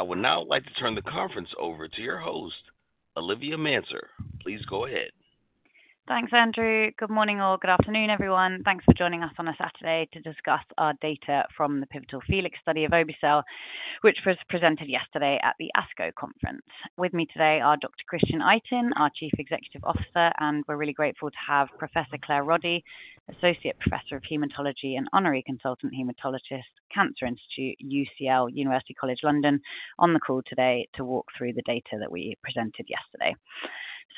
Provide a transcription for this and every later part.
I would now like to turn the conference over to your host, Olivia Manser. Please go ahead. Thanks, Andrew. Good morning, all. Good afternoon, everyone. Thanks for joining us on a Saturday to discuss our data from the pivotal FELIX study of obe-cel, which was presented yesterday at the ASCO conference. With me today are Dr. Christian Itin, our Chief Executive Officer, and we're really grateful to have Professor Claire Roddie, Associate Professor of Hematology and Honorary Consultant Hematologist, Cancer Institute, UCL, University College London, on the call today to walk through the data that we presented yesterday.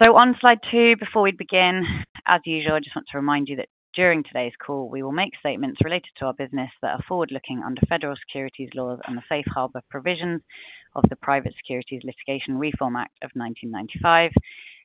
On slide two, before we begin, as usual, I just want to remind you that during today's call, we will make statements related to our business that are forward-looking under federal securities laws and the safe harbor provisions of the Private Securities Litigation Reform Act of 1995.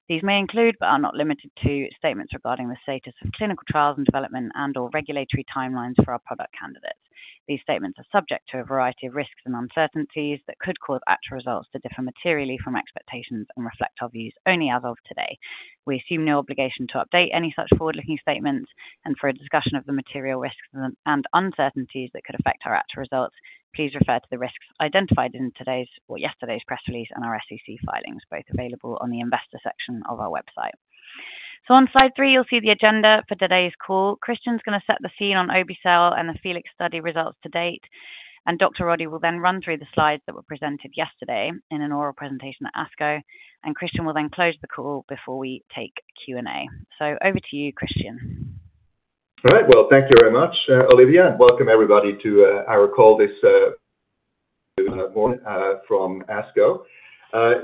These may include, but are not limited to, statements regarding the status of clinical trials and development and/or regulatory timelines for our product candidates. These statements are subject to a variety of risks and uncertainties that could cause actual results to differ materially from expectations and reflect our views only as of today. We assume no obligation to update any such forward-looking statements and for a discussion of the material risks and uncertainties that could affect our actual results, please refer to the risks identified in today's or yesterday's press release and our SEC filings, both available on the investor section of our website. So on slide three, you'll see the agenda for today's call. Christian's gonna set the scene on obe-cel and the FELIX study results to date, and Dr. Roddie will then run through the slides that were presented yesterday in an oral presentation at ASCO, and Christian will then close the call before we take Q&A. Over to you, Christian. All right. Well, thank you very much, Olivia, and welcome everybody to our call this morning from ASCO.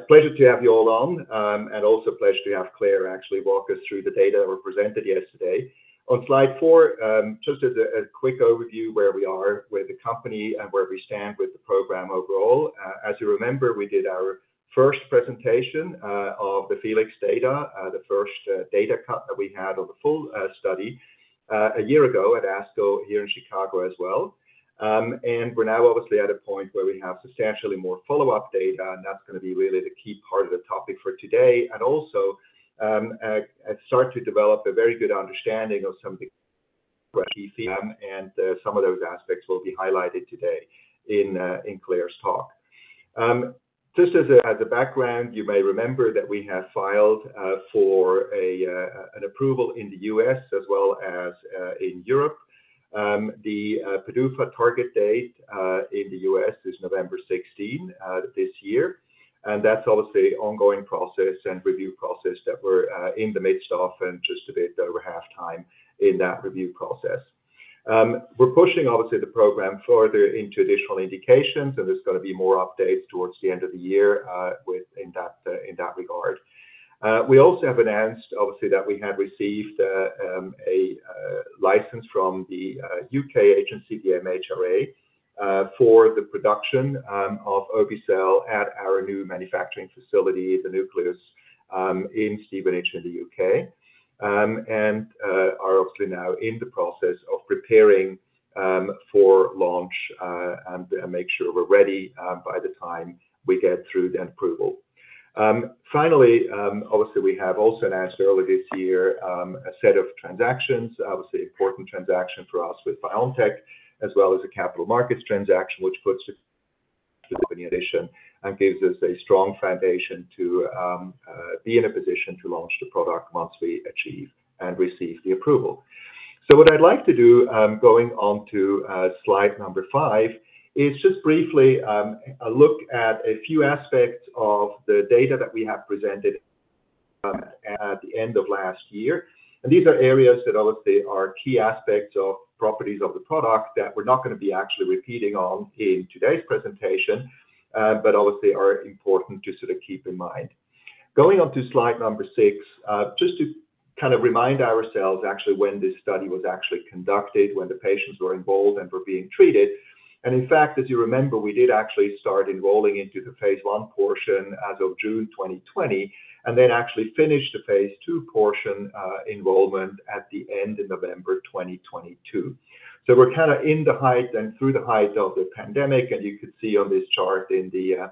Pleasure to have you all on, and also a pleasure to have Claire actually walk us through the data that were presented yesterday. On slide four, just as a quick overview where we are with the company and where we stand with the program overall. As you remember, we did our first presentation of the FELIX data, the first data cut that we had of the full study, a year ago at ASCO, here in Chicago as well. And we're now obviously at a point where we have substantially more follow-up data, and that's gonna be really the key part of the topic for today. Start to develop a very good understanding of some of the... and some of those aspects will be highlighted today in Claire's talk. Just as a background, you may remember that we have filed for an approval in the U.S. as well as in Europe. The PDUFA target date in the U.S. is November 16 this year, and that's obviously an ongoing process and review process that we're in the midst of and just a bit over halfway in that review process. We're pushing obviously the program further into additional indications, and there's gonna be more updates towards the end of the year within that regard. We also have announced, obviously, that we have received a license from the U.K. agency, the MHRA, for the production of obe-cel at our new manufacturing facility, The Nucleus, in Stevenage in the U.K. We are obviously now in the process of preparing for launch and make sure we're ready by the time we get through the approval. Finally, obviously, we have also announced earlier this year a set of transactions, obviously, important transaction for us with BioNTech, as well as a capital markets transaction, which puts it in addition and gives us a strong foundation to be in a position to launch the product once we achieve and receive the approval. So what I'd like to do, going on to slide number five, is just briefly look at a few aspects of the data that we have presented at the end of last year. These are areas that obviously are key aspects of properties of the product that we're not gonna be actually repeating on in today's presentation, but obviously are important to sort of keep in mind. Going on to slide number 6, just to kind of remind ourselves actually, when this study was actually conducted, when the patients were enrolled and were being treated. In fact, as you remember, we did actually start enrolling into the phase I portion as of June 2020, and then actually finished the phase II portion enrollment at the end of November 2022. So we're kind of in the height and through the height of the pandemic, and you can see on this chart in the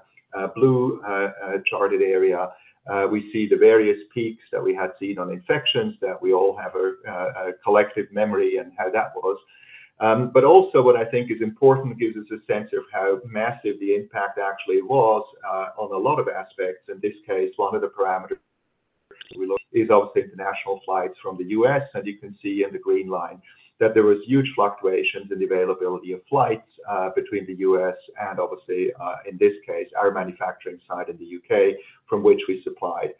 blue charted area, we see the various peaks that we had seen on infections, that we all have a collective memory on how that was. But also what I think is important, it gives us a sense of how massive the impact actually was, on a lot of aspects. In this case, one of the parameters we look is obviously the national flights from the U.S., and you can see in the green line that there was huge fluctuations in the availability of flights, between the U.S. and obviously, in this case, our manufacturing site in the U.K., from which we supplied.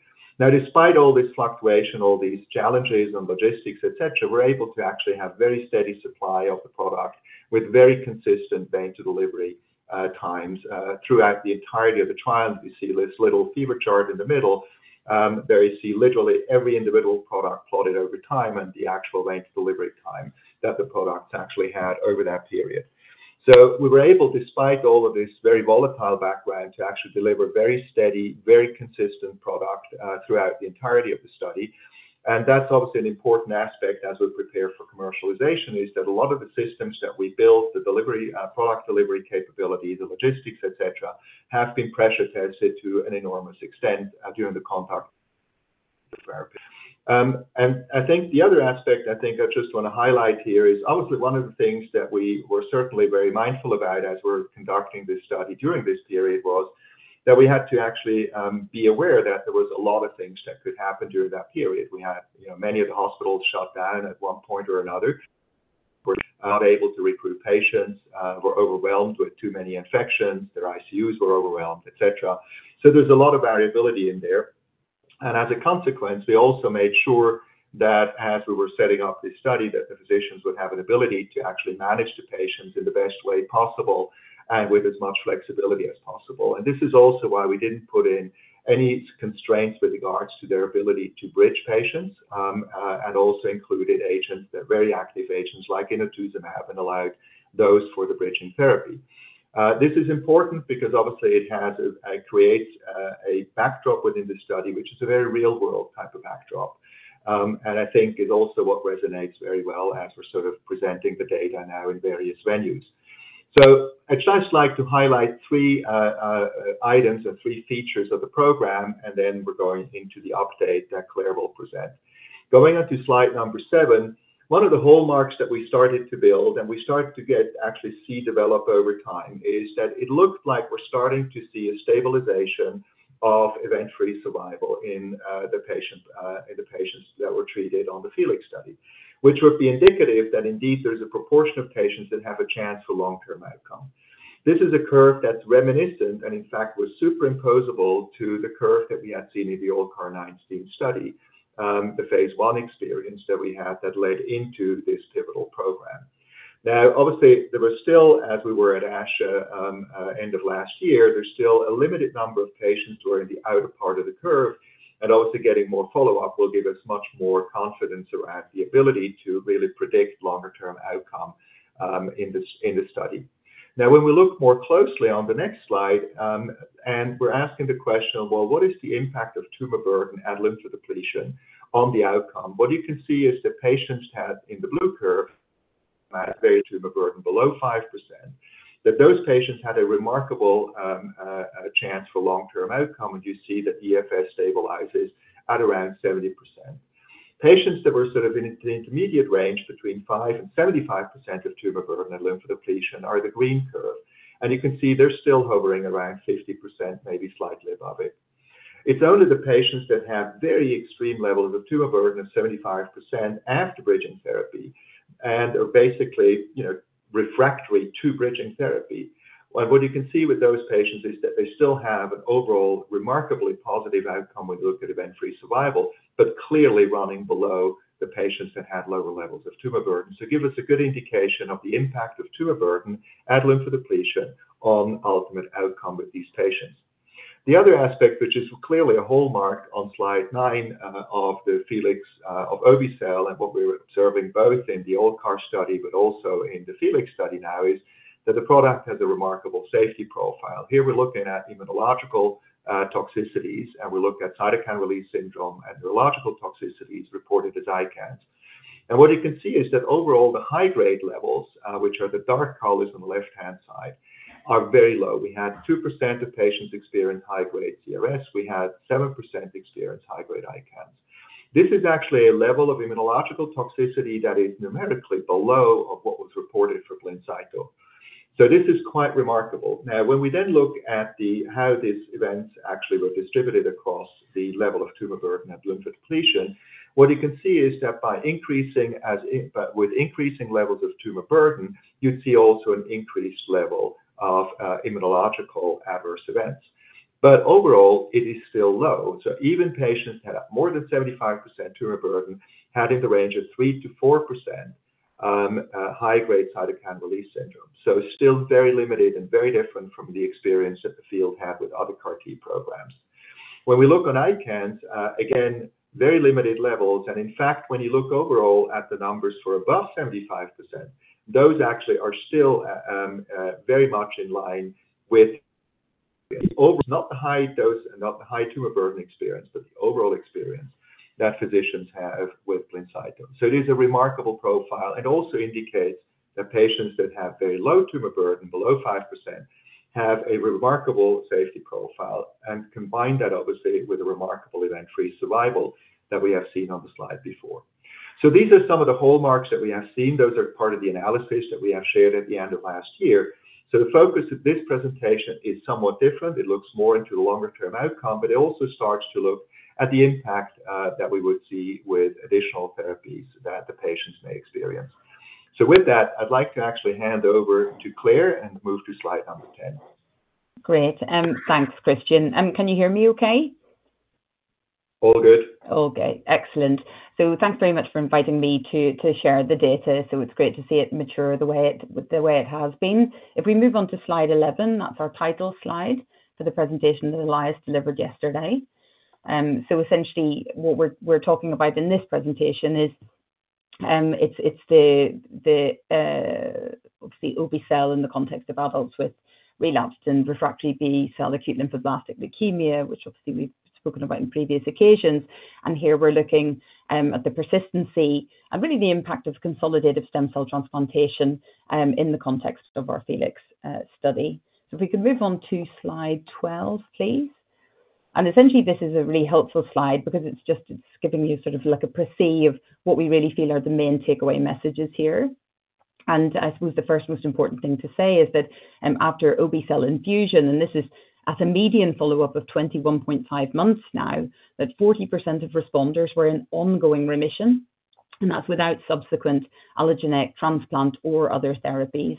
Now, despite all this fluctuation, all these challenges and logistics, etc., we're able to actually have very steady supply of the product with very consistent day to delivery times throughout the entirety of the trial. You see this little fever chart in the middle, there you see literally every individual product plotted over time and the actual length delivery time that the product actually had over that period. So we were able, despite all of this very volatile background, to actually deliver very steady, very consistent product throughout the entirety of the study. And that's obviously an important aspect as we prepare for commercialization, is that a lot of the systems that we built, the delivery, product delivery capability, the logistics, etc., have been pressure tested to an enormous extent during the contract.... I think the other aspect, I think I just want to highlight here is, obviously, one of the things that we were certainly very mindful about as we're conducting this study during this period, was that we had to actually be aware that there was a lot of things that could happen during that period. We had, you know, many of the hospitals shut down at one point or another. We're not able to recruit patients, were overwhelmed with too many infections. Their ICUs were overwhelmed, et cetera. So there's a lot of variability in there, and as a consequence, we also made sure that as we were setting up this study, that the physicians would have an ability to actually manage the patients in the best way possible and with as much flexibility as possible. And this is also why we didn't put in any constraints with regards to their ability to bridge patients, and also included agents that are very active agents like inotuzumab, and allowed those for the bridging therapy. This is important because obviously it has, it creates, a backdrop within the study, which is a very real-world type of backdrop. I think it's also what resonates very well as we're sort of presenting the data now in various venues. I'd just like to highlight three items and three features of the program, and then we're going into the update that Claire will present. Going on to slide number seven, one of the hallmarks that we started to build, and we started to get actually see develop over time, is that it looked like we're starting to see a stabilization of event-free survival in the patient in the patients that were treated on the FELIX study. Which would be indicative that indeed, there is a proportion of patients that have a chance for long-term outcome. This is a curve that's reminiscent and in fact, was superimposable to the curve that we had seen in the old CAR-19 study, the phase one experience that we had that led into this pivotal program. Now, obviously, there were still, as we were at ASH, end of last year, there's still a limited number of patients who are in the outer part of the curve, and also getting more follow-up will give us much more confidence around the ability to really predict longer-term outcome, in this, in the study. Now, when we look more closely on the next slide, and we're asking the question: Well, what is the impact of tumor burden and lymphodepletion on the outcome? What you can see is the patients had, in the blue curve, a very tumor burden below 5%, that those patients had a remarkable, chance for long-term outcome, and you see that the EFS stabilizes at around 70%. Patients that were sort of in the intermediate range between 5%-75% of tumor burden and lymphodepletion are the green curve, and you can see they're still hovering around 50%, maybe slightly above it. It's only the patients that have very extreme levels of tumor burden of 75% after bridging therapy and are basically, you know, refractory to bridging therapy. Well, what you can see with those patients is that they still have an overall remarkably positive outcome when you look at event-free survival, but clearly running below the patients that had lower levels of tumor burden. So give us a good indication of the impact of tumor burden and lymphodepletion on ultimate outcome with these patients. The other aspect, which is clearly a hallmark on slide nine, of the FELIX, of obe-cel, and what we were observing both in the old CAR study but also in the FELIX study now, is that the product has a remarkable safety profile. Here we're looking at immunological, toxicities, and we looked at cytokine release syndrome and neurological toxicities reported as ICANS. And what you can see is that overall, the high-grade levels, which are the dark colors on the left-hand side, are very low. We had 2% of patients experience high-grade CRS. We had 7% experience high-grade ICANS. This is actually a level of immunological toxicity that is numerically below of what was reported for Blincyto. So this is quite remarkable. Now, when we then look at the, how these events actually were distributed across the level of tumor burden and lymphodepletion, what you can see is that but with increasing levels of tumor burden, you'd see also an increased level of immunological adverse events. But overall, it is still low. So even patients that have more than 75% tumor burden, had in the range of 3%-4% high-grade Cytokine Release Syndrome. So still very limited and very different from the experience that the field had with other CAR T programs. When we look on ICANS, again, very limited levels, and in fact, when you look overall at the numbers for above 75%, those actually are still at, very much in line with not the high dose and not the high tumor burden experience, but the overall experience that physicians have with Blincyto. So it is a remarkable profile and also indicates that patients that have very low tumor burden, below 5%, have a remarkable safety profile and combine that, obviously, with a remarkable event-free survival that we have seen on the slide before. So these are some of the hallmarks that we have seen. Those are part of the analysis that we have shared at the end of last year. So the focus of this presentation is somewhat different. It looks more into the longer-term outcome, but it also starts to look at the impact that we would see with additional therapies that the patients may experience. So with that, I'd like to actually hand over to Claire and move to slide number 10. Great. Thanks, Christian. Can you hear me okay? All good. Okay, excellent. So thanks very much for inviting me to share the data. So it's great to see it mature the way it has been. If we move on to slide 11, that's our title slide for the presentation that Elias delivered yesterday. So essentially what we're talking about in this presentation is it's the obviously obe-cel in the context of adults with relapsed and refractory B-cell acute lymphoblastic leukemia, which obviously we've spoken about in previous occasions. And here we're looking at the persistence and really the impact of consolidated stem cell transplantation in the context of our FELIX study. So if we can move on to slide 12, please. Essentially, this is a really helpful slide because it's just, it's giving you sort of like a précis of what we really feel are the main takeaway messages here. I suppose the first most important thing to say is that, after obe-cel infusion, and this is at a median follow-up of 21.5 months now, that 40% of responders were in ongoing remission, and that's without subsequent allogeneic transplant or other therapies.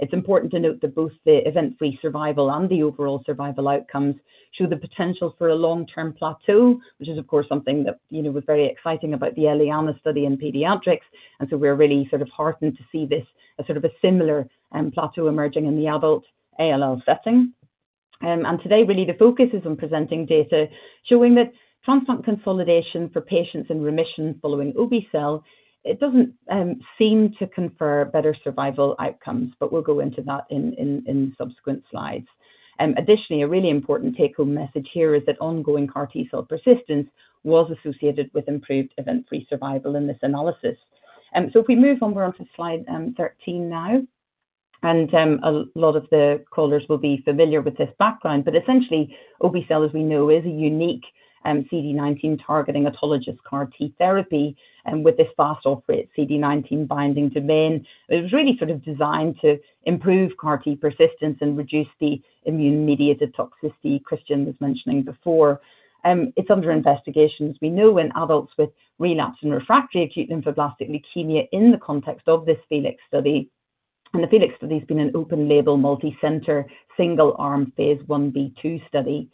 It's important to note that both the event-free survival and the overall survival outcomes show the potential for a long-term plateau, which is, of course, something that, you know, was very exciting about the ELIANA study in pediatrics. And so we're really sort of heartened to see this as sort of a similar, plateau emerging in the adult ALL setting. And today, really the focus is on presenting data, showing that transplant consolidation for patients in remission following obe-cel, it doesn't seem to confer better survival outcomes, but we'll go into that in subsequent slides. Additionally, a really important take-home message here is that ongoing CAR T cell persistence was associated with improved event-free survival in this analysis. So if we move on, we're on to slide 13 now, and a lot of the callers will be familiar with this background, but essentially, obe-cel, as we know, is a unique CD19 targeting autologous CAR T therapy, and with this fast-off rate, CD19 binding domain. It was really sort of designed to improve CAR T persistence and reduce the immune-mediated toxicity Christian was mentioning before. It's under investigation. As we know, in adults with relapsed and refractory acute lymphoblastic leukemia in the context of this FELIX study, and the FELIX study has been an open-label, multicenter, single-arm, Phase 1b/2 study.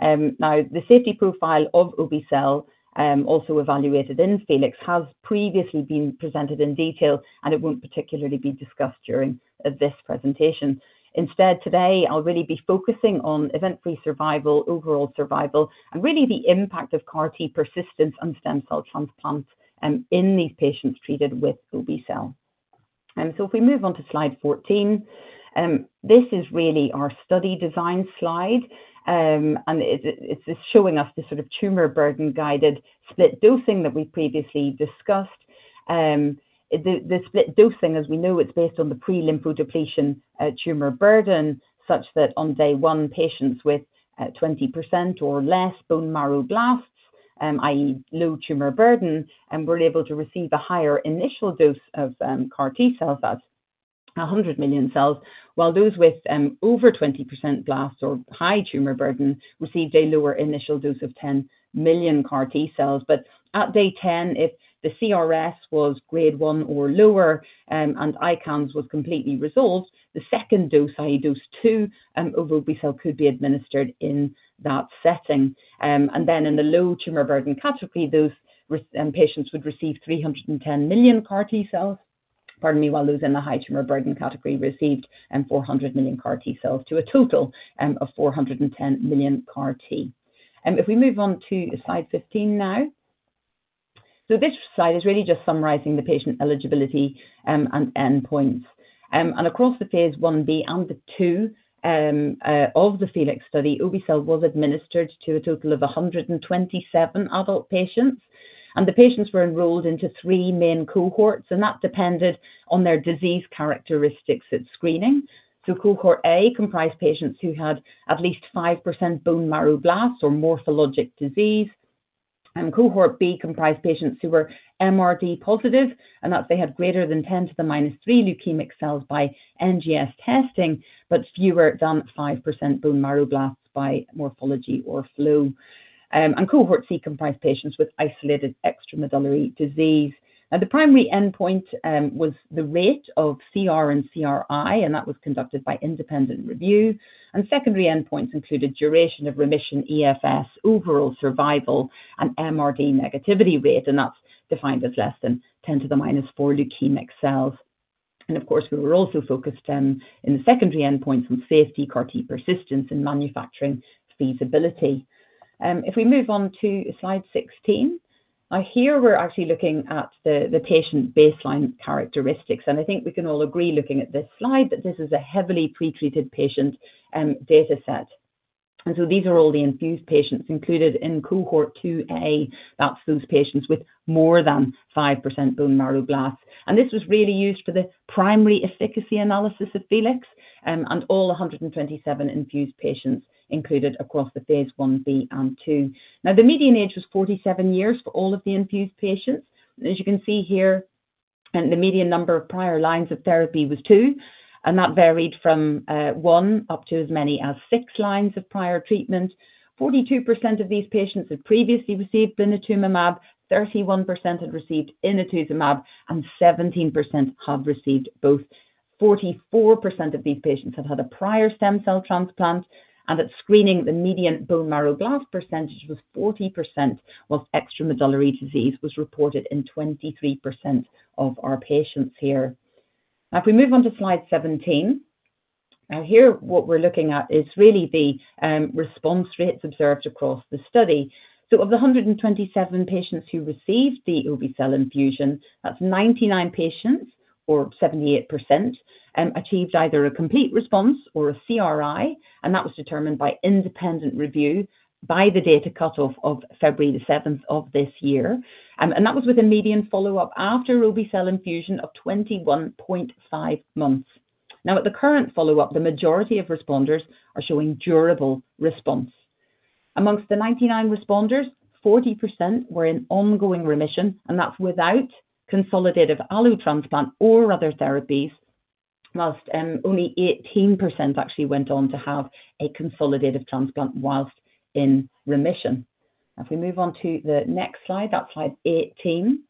Now, the safety profile of obe-cel, also evaluated in FELIX, has previously been presented in detail, and it won't particularly be discussed during this presentation. Instead, today, I'll really be focusing on event-free survival, overall survival, and really the impact of CAR T persistence on stem cell transplant, in these patients treated with obe-cel. And so if we move on to slide 14, this is really our study design slide, and it's just showing us the sort of tumor burden guided split dosing that we previously discussed. The split dosing, as we know, it's based on the pre-lymphodepletion tumor burden, such that on day one, patients with 20% or less bone marrow blasts, i.e., low tumor burden, and were able to receive a higher initial dose of CAR T cells. That's 100 million cells, while those with over 20% blasts or high tumor burden received a lower initial dose of 10 million CAR T cells. But at day 10, if the CRS was grade one or lower, and ICANS was completely resolved, the second dose, i.e., dose two, of obe-cel could be administered in that setting. And then in the low tumor burden category, those patients would receive 310 million CAR T cells, pardon me, while those in the high tumor burden category received 400 million CAR T cells, to a total of 410 million CAR T. And if we move on to slide 15 now. This slide is really just summarizing the patient eligibility and endpoints. And across the Phase 1b and the 2 of the FELIX study, obe-cel was administered to a total of 127 adult patients, and the patients were enrolled into three main cohorts, and that depended on their disease characteristics at screening. So Cohort A comprised patients who had at least 5% bone marrow blasts or morphologic disease. Cohort B comprised patients who were MRD positive, and that they had greater than 10 to the -3 leukemic cells by NGS testing, but fewer than 5% bone marrow blasts by morphology or flow. Cohort C comprised patients with isolated extramedullary disease. Now, the primary endpoint was the rate of CR and CRi, and that was conducted by independent review. Secondary endpoints included duration of remission, EFS, overall survival, and MRD negativity rate, and that's defined as less than 10 to the -4 leukemic cells. Of course, we were also focused on, in the secondary endpoint, on safety, CAR T persistence and manufacturing feasibility. If we move on to Slide 16. Here, we're actually looking at the patient baseline characteristics, and I think we can all agree, looking at this slide, that this is a heavily pretreated patient dataset. These are all the infused patients included in Cohort 2A. That's those patients with more than 5% bone marrow blasts. This was really used for the primary efficacy analysis of FELIX, and all 127 infused patients included across the Phase 1b and 2. Now, the median age was 47 years for all of the infused patients. As you can see here, and the median number of prior lines of therapy was two, and that varied from one up to as many as six lines of prior treatment. 42% of these patients had previously received blinatumomab, 31% had received inotuzumab, and 17% have received both. 44% of these patients have had a prior stem cell transplant, and at screening, the median bone marrow blast percentage was 40%, while extramedullary disease was reported in 23% of our patients here. Now, if we move on to Slide 17. Here, what we're looking at is really the response rates observed across the study. So of the 127 patients who received the obe-cel infusion, that's 99 patients or 78%, achieved either a complete response or a CRi, and that was determined by independent review by the data cutoff of February the seventh of this year. And that was with a median follow-up after obe-cel infusion of 21.5 months.... Now, at the current follow-up, the majority of responders are showing durable response. Among the 99 responders, 40% were in ongoing remission, and that's without consolidated allo transplant or other therapies, while only 18% actually went on to have a consolidated transplant while in remission. If we move on to the next slide, that's slide 18.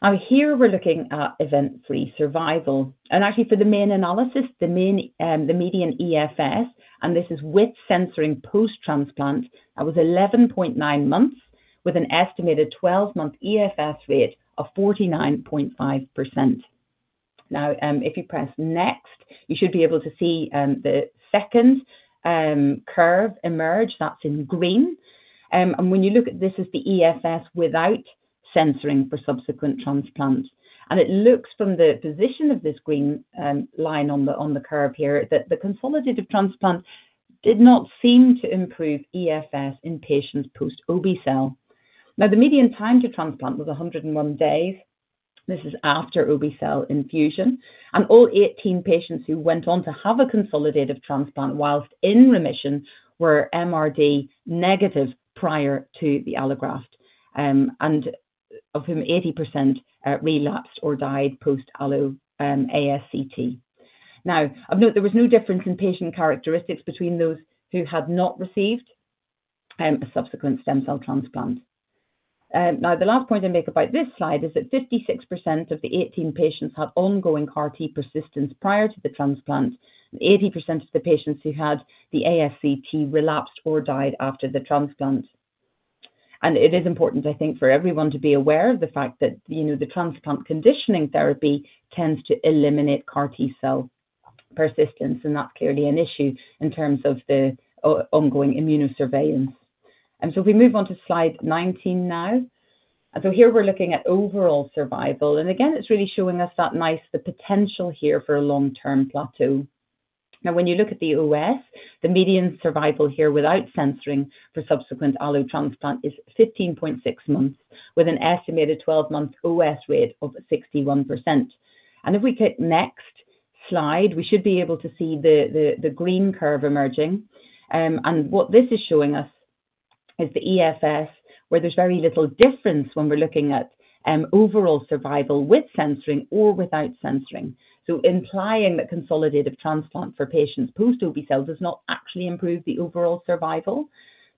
Now here, we're looking at event-free survival, and actually, for the main analysis, the main, the median EFS, and this is with censoring post-transplant, that was 11.9 months, with an estimated 12-month EFS rate of 49.5%. Now, if you press next, you should be able to see, the second, curve emerge. That's in green. When you look at this as the EFS without censoring for subsequent transplants, and it looks from the position of this green line on the curve here, that the consolidated transplant did not seem to improve EFS in patients post-obe-cel. Now, the median time to transplant was 101 days. This is after obe-cel infusion, and all 18 patients who went on to have a consolidated transplant while in remission were MRD negative prior to the allograft, and of whom 80% relapsed or died post-allo ASCT. Now, of note, there was no difference in patient characteristics between those who had not received a subsequent stem cell transplant. Now, the last point I'll make about this slide is that 56% of the 18 patients had ongoing CAR T persistence prior to the transplant, and 80% of the patients who had the ASCT relapsed or died after the transplant. It is important, I think, for everyone to be aware of the fact that, you know, the transplant conditioning therapy tends to eliminate CAR T cell persistence, and that's clearly an issue in terms of the ongoing immunosurveillance. So if we move on to slide 19 now. Here we're looking at overall survival, and again, it's really showing us that nice the potential here for a long-term plateau. Now, when you look at the OS, the median survival here without censoring for subsequent allo transplant is 15.6 months, with an estimated 12-month OS rate of 61%. And if we click next slide, we should be able to see the green curve emerging. And what this is showing us is the EFS, where there's very little difference when we're looking at overall survival with censoring or without censoring. So implying that consolidated transplant for patients post-obe-cel does not actually improve the overall survival.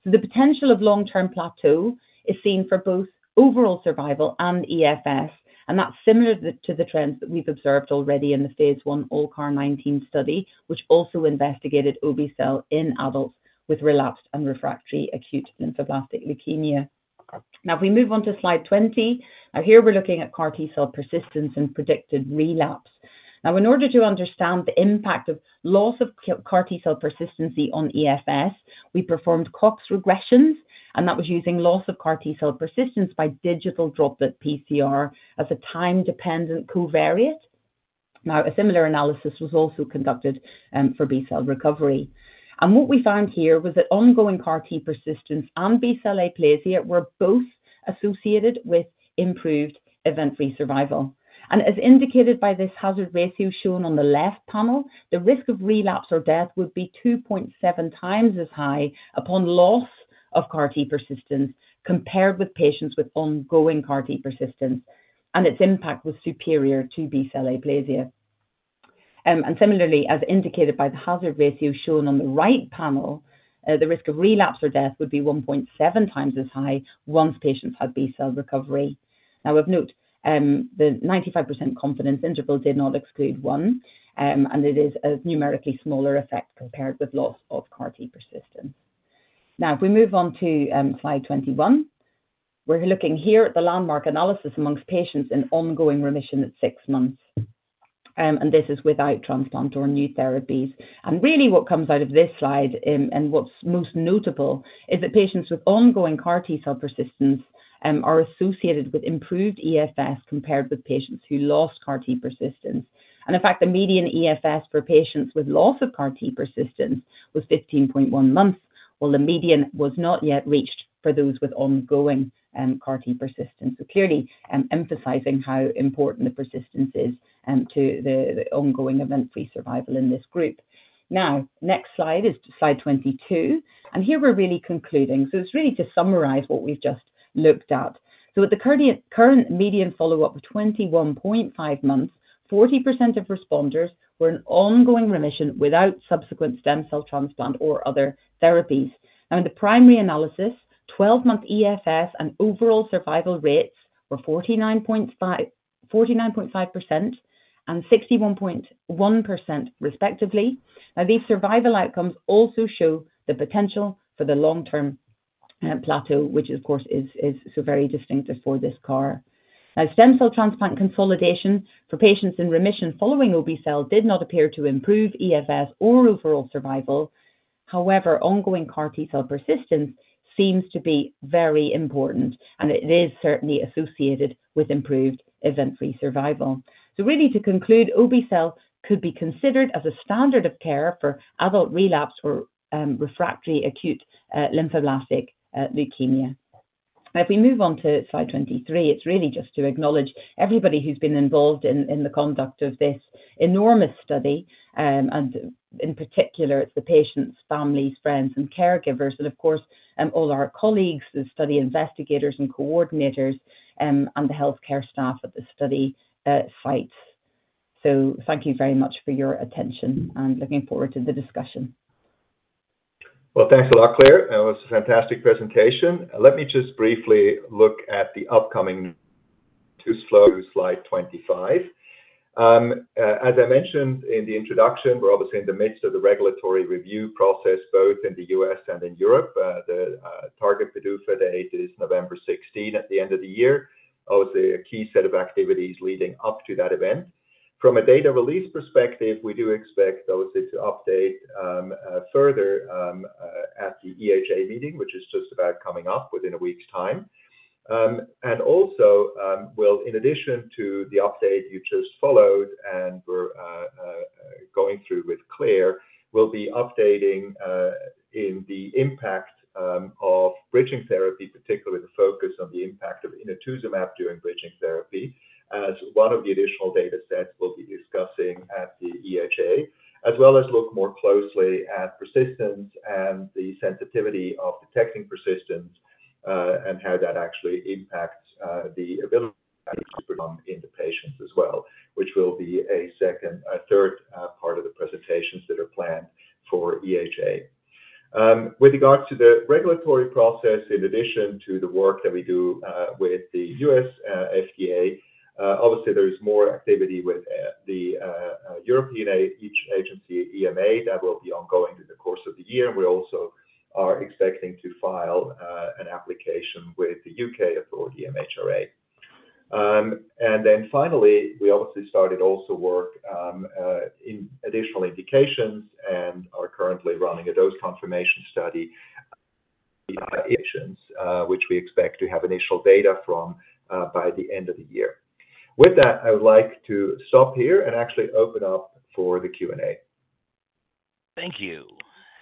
So the potential of long-term plateau is seen for both overall survival and EFS, and that's similar to the trends that we've observed already in the phase I ALLCAR19 study, which also investigated obe-cel in adults with relapsed and refractory acute lymphoblastic leukemia. Now, if we move on to slide 20, and here we're looking at CAR T-cell persistence and predicted relapse. Now, in order to understand the impact of loss of CAR T-cell persistence on EFS, we performed Cox regressions, and that was using loss of CAR T-cell persistence by digital droplet PCR as a time-dependent covariate. Now, a similar analysis was also conducted for B-cell recovery. What we found here was that ongoing CAR T persistence and B-cell aplasia were both associated with improved event-free survival. As indicated by this hazard ratio shown on the left panel, the risk of relapse or death would be 2.7x as high upon loss of CAR T persistence, compared with patients with ongoing CAR T persistence, and its impact was superior to B-cell aplasia. And similarly, as indicated by the hazard ratio shown on the right panel, the risk of relapse or death would be 1.7x as high once patients had B-cell recovery. Now, of note, the 95% confidence interval did not exclude 1, and it is a numerically smaller effect compared with loss of CAR T persistence. Now, if we move on to slide 21, we're looking here at the landmark analysis amongst patients in ongoing remission at six months, and this is without transplant or new therapies. And really what comes out of this slide, and what's most notable is that patients with ongoing CAR T-cell persistence are associated with improved EFS, compared with patients who lost CAR T persistence. In fact, the median EFS for patients with loss of CAR T persistence was 15.1 months, while the median was not yet reached for those with ongoing CAR T persistence. So clearly, emphasizing how important the persistence is to the ongoing event-free survival in this group. Now, next slide is slide 22, and here we're really concluding. So it's really to summarize what we've just looked at. So at the current median follow-up of 21.5 months, 40% of responders were in ongoing remission without subsequent stem cell transplant or other therapies. Now, in the primary analysis, 12-month EFS and overall survival rates were 49.5, 49.5% and 61.1% respectively. Now, these survival outcomes also show the potential for the long-term plateau, which of course is so very distinctive for this CAR. Stem cell transplant consolidation for patients in remission following obe-cel did not appear to improve EFS or overall survival. However, ongoing CAR T-cell persistence seems to be very important, and it is certainly associated with improved event-free survival. So really to conclude, obe-cel could be considered as a standard of care for adult relapse or refractory acute lymphoblastic leukemia. If we move on to slide 23, it's really just to acknowledge everybody who's been involved in the conduct of this enormous study. And in particular, it's the patients, families, friends, and caregivers, and of course all our colleagues, the study investigators and coordinators, and the healthcare staff at the study sites. Thank you very much for your attention, and looking forward to the discussion. Well, thanks a lot, Claire. That was a fantastic presentation. Let me just briefly look at the upcoming to slide 25. As I mentioned in the introduction, we're obviously in the midst of the regulatory review process, both in the U.S. and in Europe. The target PDUFA date is November sixteenth, at the end of the year. Obviously, a key set of activities leading up to that event. From a data release perspective, we do expect those to update further at the EHA meeting, which is just about coming up within a week's time. And also, we'll, in addition to the update you just followed, and we're going through with Claire, we'll be updating in the impact of bridging therapy, particularly the focus on the impact of inotuzumab during bridging therapy, as one of the additional data sets we'll be discussing at the EHA. As well as look more closely at persistence and the sensitivity of detecting persistence, and how that actually impacts the ability in the patients as well, which will be a second, a third part of the presentations that are planned for EHA. With regards to the regulatory process, in addition to the work that we do with the U.S. FDA, obviously, there is more activity with the European agency, EMA, that will be ongoing through the course of the year. We also are expecting to file an application with the U.K. authority, MHRA. And then finally, we obviously started also work in additional indications and are currently running a dose confirmation study, which we expect to have initial data from by the end of the year. With that, I would like to stop here and actually open up for the Q&A. Thank you.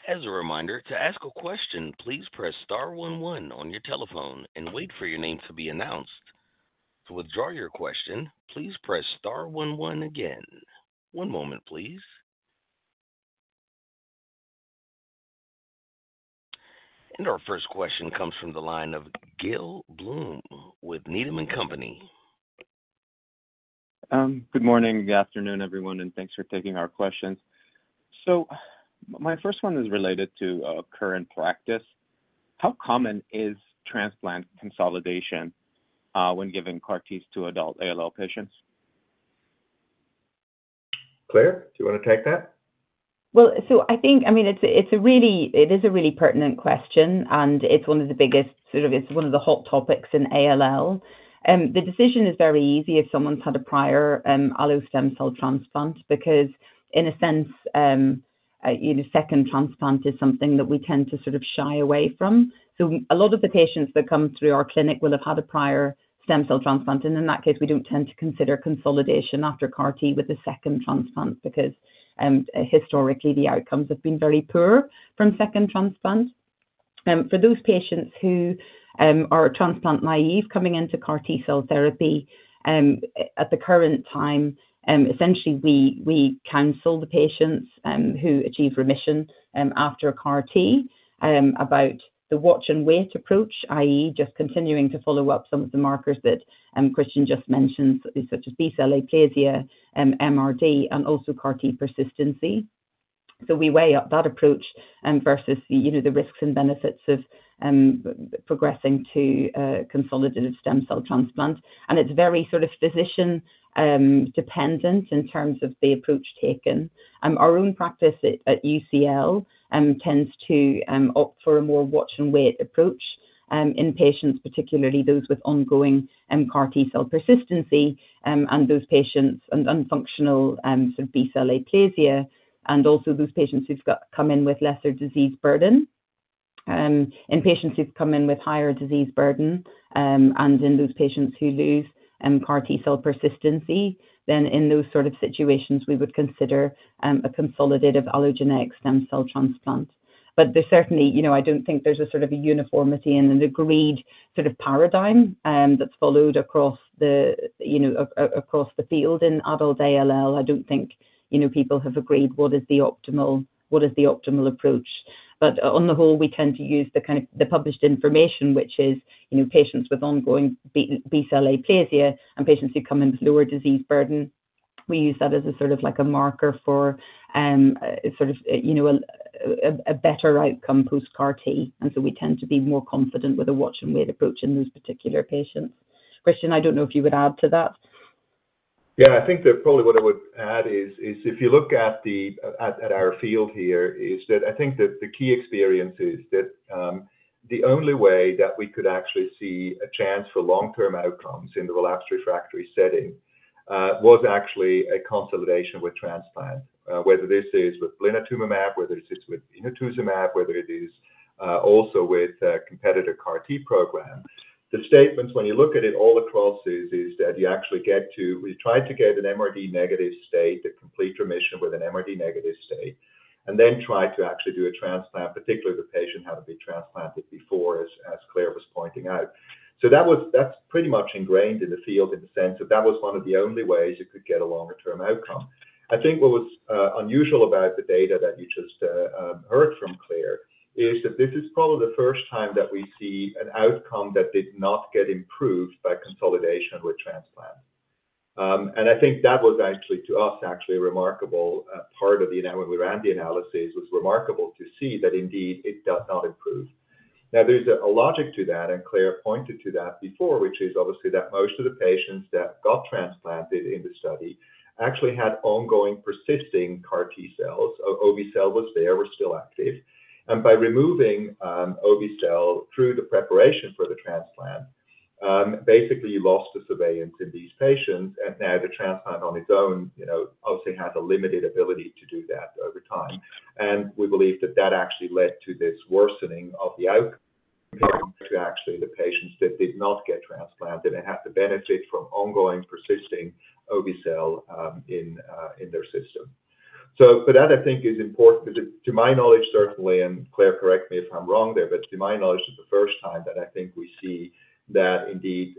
As a reminder, to ask a question, please press star one one on your telephone and wait for your name to be announced. To withdraw your question, please press star one one again. One moment, please. Our first question comes from the line of Gil Blum with Needham & Company. Good morning, good afternoon, everyone, and thanks for taking our questions. My first one is related to current practice. How common is transplant consolidation when giving CAR-Ts to adult ALL patients? Claire, do you want to take that? Well, I think, I mean, it is a really pertinent question, and it's one of the biggest... Sort of, it's one of the hot topics in ALL. The decision is very easy if someone's had a prior allo stem cell transplant, because in a sense, you know, second transplant is something that we tend to sort of shy away from. So a lot of the patients that come through our clinic will have had a prior stem cell transplant, and in that case, we don't tend to consider consolidation after CAR-T with a second transplant, because historically, the outcomes have been very poor from second transplants. For those patients who are transplant naive coming into CAR-T cell therapy, at the current time, essentially we counsel the patients who achieve remission after a CAR-T about the watch and wait approach, i.e., just continuing to follow up some of the markers that Christian just mentioned, such as B-cell aplasia, MRD, and also CAR-T persistency. So we weigh up that approach versus the, you know, the risks and benefits of progressing to consolidated stem cell transplant. It's very sort of physician dependent in terms of the approach taken. Our own practice at UCL tends to opt for a more watch and wait approach in patients, particularly those with ongoing CAR-T cell persistence, and those patients with functional sort of B-cell aplasia, and also those patients who've come in with lesser disease burden. In patients who've come in with higher disease burden, and in those patients who lose CAR-T cell persistence, then in those sort of situations, we would consider a consolidated allogeneic stem cell transplant. But there's certainly, you know, I don't think there's a sort of a uniformity and an agreed sort of paradigm that's followed across the, you know, across the field in adult ALL. I don't think, you know, people have agreed what is the optimal approach. But on the whole, we tend to use the kind of the published information, which is, you know, patients with ongoing B-cell aplasia and patients who come in with lower disease burden. We use that as a sort of like a marker for sort of, you know, a better outcome post-CAR-T, and so we tend to be more confident with a watch and wait approach in those particular patients. Christian, I don't know if you would add to that. Yeah, I think that probably what I would add is if you look at our field here, is that I think that the key experience is that the only way that we could actually see a chance for long-term outcomes in the relapsed refractory setting was actually a consolidation with transplant. Whether this is with blinatumomab, whether it is with inotuzumab, whether it is also with a competitor CAR-T program, the statements, when you look at it all across, is that you actually get to, we try to get an MRD negative state, a complete remission with an MRD negative state, and then try to actually do a transplant, particularly if the patient had to be transplanted before, as Claire was pointing out. So that was. That's pretty much ingrained in the field in the sense that that was one of the only ways you could get a longer-term outcome. I think what was unusual about the data that you just heard from Claire is that this is probably the first time that we see an outcome that did not get improved by consolidation with transplant. And I think that was actually, to us, actually a remarkable part of the analysis. When we ran the analysis, it was remarkable to see that indeed it does not improve. Now, there's a logic to that, and Claire pointed to that before, which is obviously that most of the patients that got transplanted in the study actually had ongoing persisting CAR T cells. Obe-cel was there, were still active. And by removing obe-cel through the preparation for the transplant, basically you lost the surveillance in these patients, and now the transplant on its own, you know, obviously has a limited ability to do that over time. And we believe that that actually led to this worsening of the outcome, to actually the patients that did not get transplanted and have the benefit from ongoing persisting obe-cel in their system. So but that, I think, is important. To my knowledge, certainly, and Claire, correct me if I'm wrong there, but to my knowledge, it's the first time that I think we see that indeed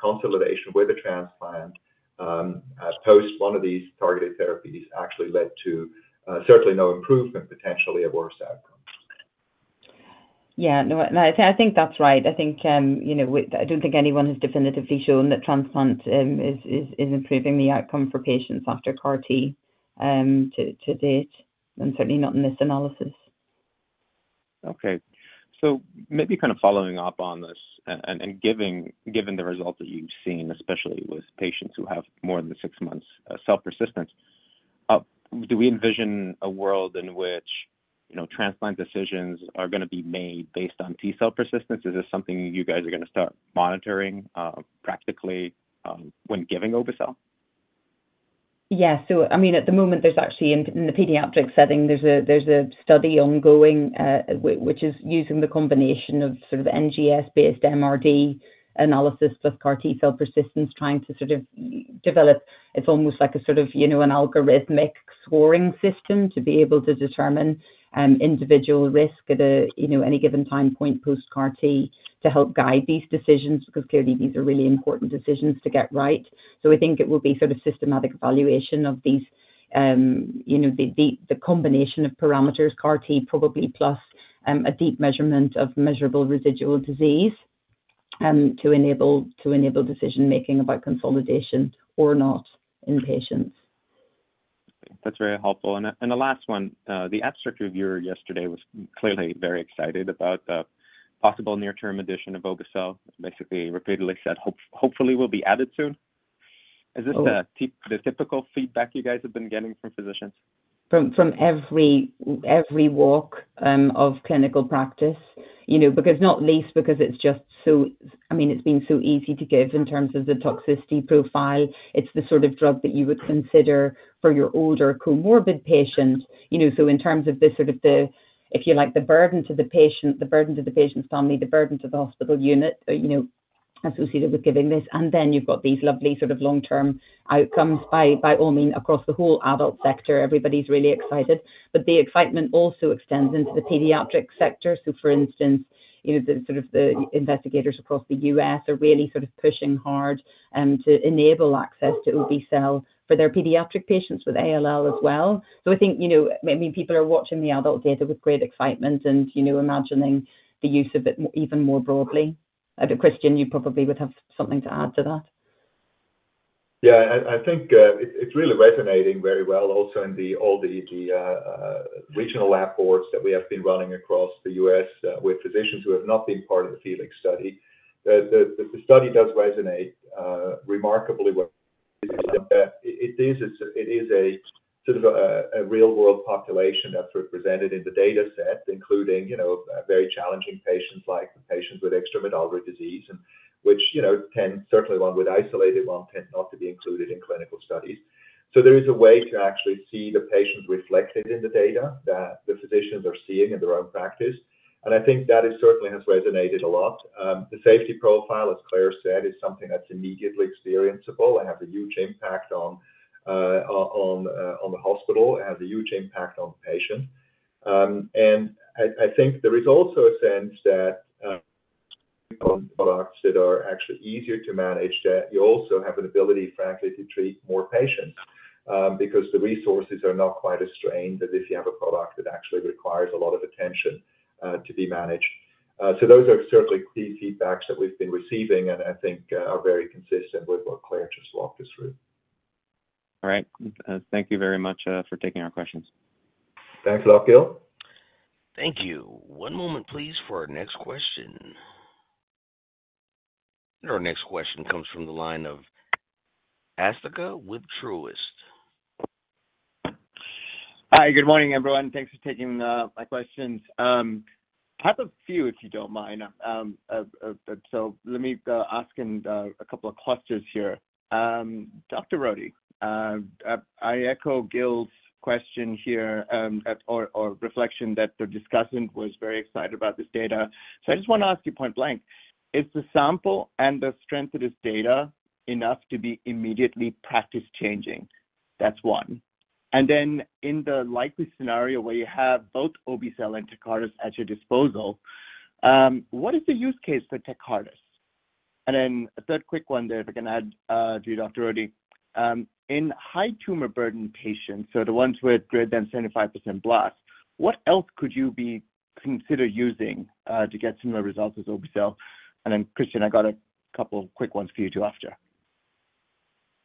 consolidation with a transplant as post one of these targeted therapies actually led to certainly no improvement, potentially a worse outcome. Yeah, no, I think that's right. I think, you know, I don't think anyone has definitively shown that transplant is improving the outcome for patients after CAR T, to date, and certainly not in this analysis. Okay. So maybe kind of following up on this and giving... Given the results that you've seen, especially with patients who have more than six months of cell persistence, do we envision a world in which, you know, transplant decisions are gonna be made based on T-cell persistence? Is this something you guys are gonna start monitoring, practically, when giving obe-cel? Yeah. So I mean, at the moment, there's actually, in the pediatric setting, there's a study ongoing, which is using the combination of sort of NGS-based MRD analysis with CAR T cell persistence, trying to sort of develop, it's almost like a sort of, you know, an algorithmic scoring system to be able to determine individual risk at a, you know, any given time point post-CAR T to help guide these decisions, because clearly, these are really important decisions to get right. So I think it will be sort of systematic evaluation of these, you know, the combination of parameters, CAR T probably plus a deep measurement of measurable residual disease to enable decision-making about consolidation or not in patients. That's very helpful. And the last one, the abstract reviewer yesterday was clearly very excited about the possible near-term addition of obe-cel, basically repeatedly said, "Hopefully, will be added soon. Oh- Is this the typical feedback you guys have been getting from physicians? From every walk of clinical practice, you know, because not least because it's just so... I mean, it's been so easy to give in terms of the toxicity profile. It's the sort of drug that you would consider for your older comorbid patient. You know, so in terms of the sort of, if you like, the burden to the patient, the burden to the patient's family, the burden to the hospital unit, you know, associated with giving this, and then you've got these lovely sort of long-term outcomes. By all means, across the whole adult sector, everybody's really excited. But the excitement also extends into the pediatric sector. So for instance, you know, the investigators across the U.S. are really sort of pushing hard to enable access to obe-cel for their pediatric patients with ALL as well. So I think, you know, maybe people are watching the adult data with great excitement and, you know, imagining the use of it even more broadly. Christian, you probably would have something to add to that. Yeah, I think it's really resonating very well, also in all the regional lab boards that we have been running across the US with physicians who have not been part of the FELIX study. The study does resonate remarkably well. It is, it's a sort of a real-world population that's represented in the dataset, including, you know, very challenging patients, like patients with extramedullary disease, and ones with isolated extramedullary disease, you know, can certainly tend not to be included in clinical studies. So there is a way to actually see the patients reflected in the data that the physicians are seeing in their own practice. And I think that it certainly has resonated a lot. The safety profile, as Claire said, is something that's immediately experienceable and have a huge impact on the hospital, it has a huge impact on the patient. And I think there is also a sense that products that are actually easier to manage, that you also have an ability, frankly, to treat more patients, because the resources are not quite as strained as if you have a product that actually requires a lot of attention to be managed. So those are certainly key feedbacks that we've been receiving and I think are very consistent with what Claire just walked us through. All right. Thank you very much for taking our questions. Thanks, Gil. Thank you. One moment, please, for our next question. Our next question comes from the line of Asthika with Truist. Hi, good morning, everyone. Thanks for taking my questions. I have a few, if you don't mind. So let me ask in a couple of clusters here. Dr. Roddie, I echo Gil's question here, or reflection that the discussant was very excited about this data. So I just want to ask you point-blank: Is the sample and the strength of this data enough to be immediately practice-changing? That's one. And then in the likely scenario where you have both obe-cel and TECARTUS at your disposal, what is the use case for TECARTUS? And then a third quick one there, if I can add, to you, Dr. Ode, in high tumor burden patients, so the ones with greater than 75% blast, what else could you be consider using to get similar results as obe-cel? And then, Christian, I got a couple of quick ones for you, too, after.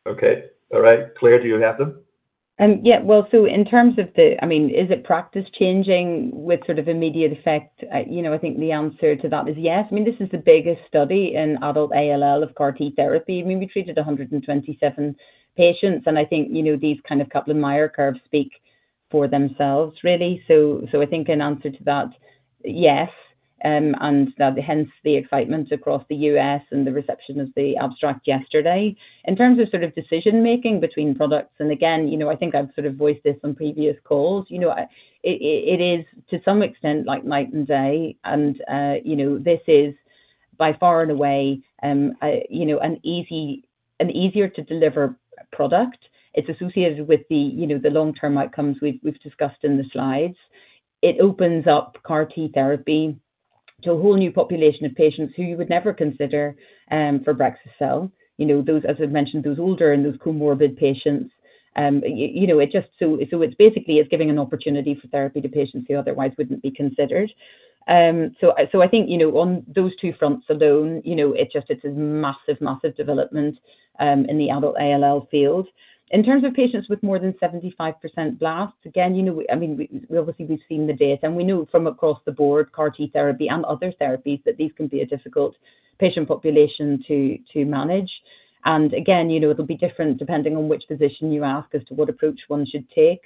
Okay. All right. Claire, do you have them? Yeah. Well, so in terms of the—I mean, is it practice-changing with sort of immediate effect? You know, I think the answer to that is yes. I mean, this is the biggest study in adult ALL of CAR T therapy. I mean, we treated 127 patients, and I think, you know, these kind of Kaplan-Meier curves speak for themselves, really. So, I think in answer to that, yes, and hence the excitement across the U.S. and the reception of the abstract yesterday. In terms of sort of decision-making between products, and again, you know, I think I've sort of voiced this on previous calls, you know, it is to some extent like night and day. And, you know, this is by far and away, you know, an easy, an easier-to-deliver product. It's associated with the, you know, the long-term outcomes we've discussed in the slides. It opens up CAR T therapy to a whole new population of patients who you would never consider for brexu-cel. You know, those, as I've mentioned, those older and those comorbid patients. You know, it just so. So it basically is giving an opportunity for therapy to patients who otherwise wouldn't be considered. So I think, you know, on those two fronts alone, you know, it's just, it's a massive, massive development in the adult ALL field. In terms of patients with more than 75% blasts, again, you know, we, I mean, we, obviously, we've seen the data, and we know from across the board, CAR T therapy and other therapies, that these can be a difficult patient population to manage. Again, you know, it'll be different depending on which physician you ask as to what approach one should take.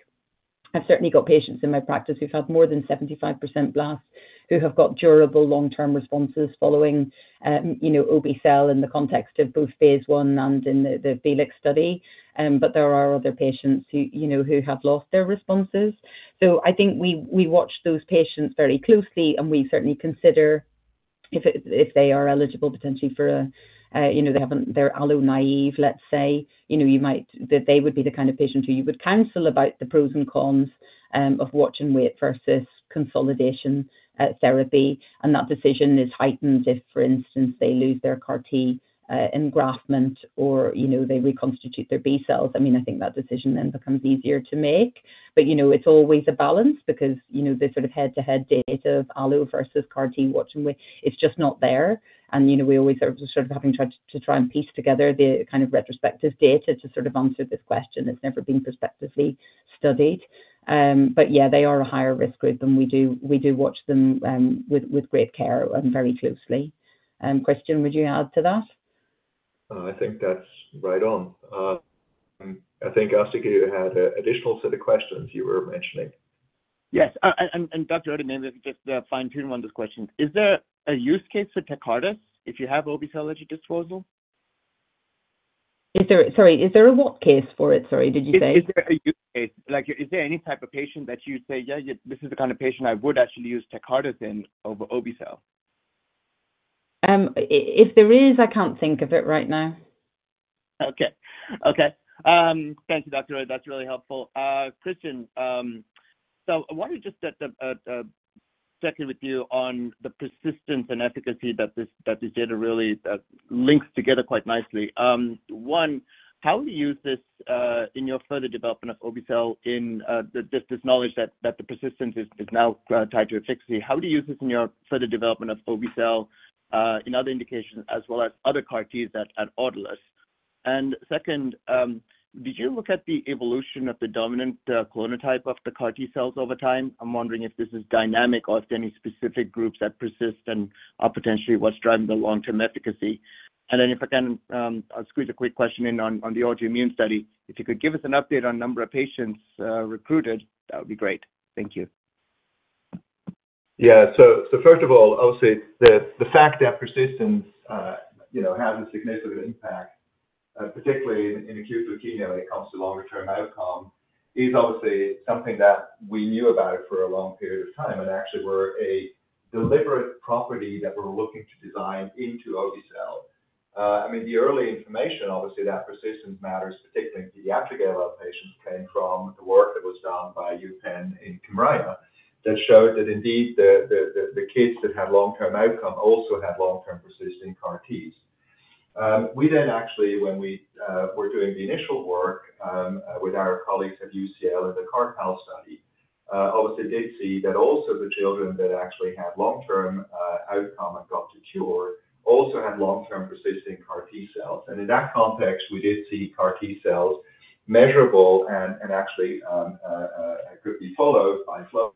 I've certainly got patients in my practice who've had more than 75% blasts, who have got durable long-term responses following, you know, obe-cel in the context of both phase one and in the FELIX study. But there are other patients who, you know, who have lost their responses. So I think we watch those patients very closely, and we certainly consider if they are eligible potentially for, you know, they haven't, they're allo-naive, let's say, you know, that they would be the kind of patient who you would counsel about the pros and cons of watch and wait versus consolidation therapy. That decision is heightened if, for instance, they lose their CAR T engraftment or, you know, they reconstitute their B cells. I mean, I think that decision then becomes easier to make, but, you know, it's always a balance because, you know, the sort of head-to-head data of allo versus CAR T watch and wait, it's just not there. You know, we always are sort of having to try, to try and piece together the kind of retrospective data to sort of answer this question. It's never been prospectively studied. But yeah, they are a higher risk group, and we do, we do watch them with great care and very closely. Christian, would you add to that? I think that's right on. I think, Asthika, you had an additional set of questions you were mentioning. Yes, and Dr. Roddie, maybe just fine-tune on this question. Is there a use case for TECARTUS if you have obe-cel at your disposal? Sorry, is there a what case for it? Sorry, did you say? Is there a use case? Like, is there any type of patient that you say, "Yeah, yeah, this is the kind of patient I would actually use TECARTUS in over obe-cel? If there is, I can't think of it right now. Okay. Okay. Thank you, Dr. Roddie. That's really helpful. Christian, so I wanted to just set up, check in with you on the persistence and efficacy that this, that this data really, links together quite nicely. One, how do you use this, in your further development of obe-cel in, this, this knowledge that, that the persistence is, is now, tied to efficacy? How do you use this in your further development of obe-cel, in other indications, as well as other CAR Ts at, at Autolus? And second, did you look at the evolution of the dominant, clonotype of the CAR T cells over time? I'm wondering if this is dynamic or if there any specific groups that persist and are potentially what's driving the long-term efficacy. If I can squeeze a quick question in on the autoimmune study. If you could give us an update on number of patients, recruited, that would be great. Thank you. Yeah. So first of all, I would say the fact that persistence, you know, has a significant impact, particularly in acute leukemia when it comes to longer term outcome, is obviously something that we knew about it for a long period of time, and actually were a deliberate property that we're looking to design into obe-cel. I mean, the early information, obviously, that persistence matters, particularly in pediatric ALL patients, came from the work that was done by UPenn in KYMRIAH, that showed that indeed, the kids that had long-term outcome also had long-term persisting CAR Ts. We then actually, when we were doing the initial work, with our colleagues at UCL in the CARPALL study, obviously did see that also the children that actually had long-term outcome and got a cure, also had long-term persisting CAR T cells. And in that context, we did see CAR T cells measurable and actually could be followed by flow,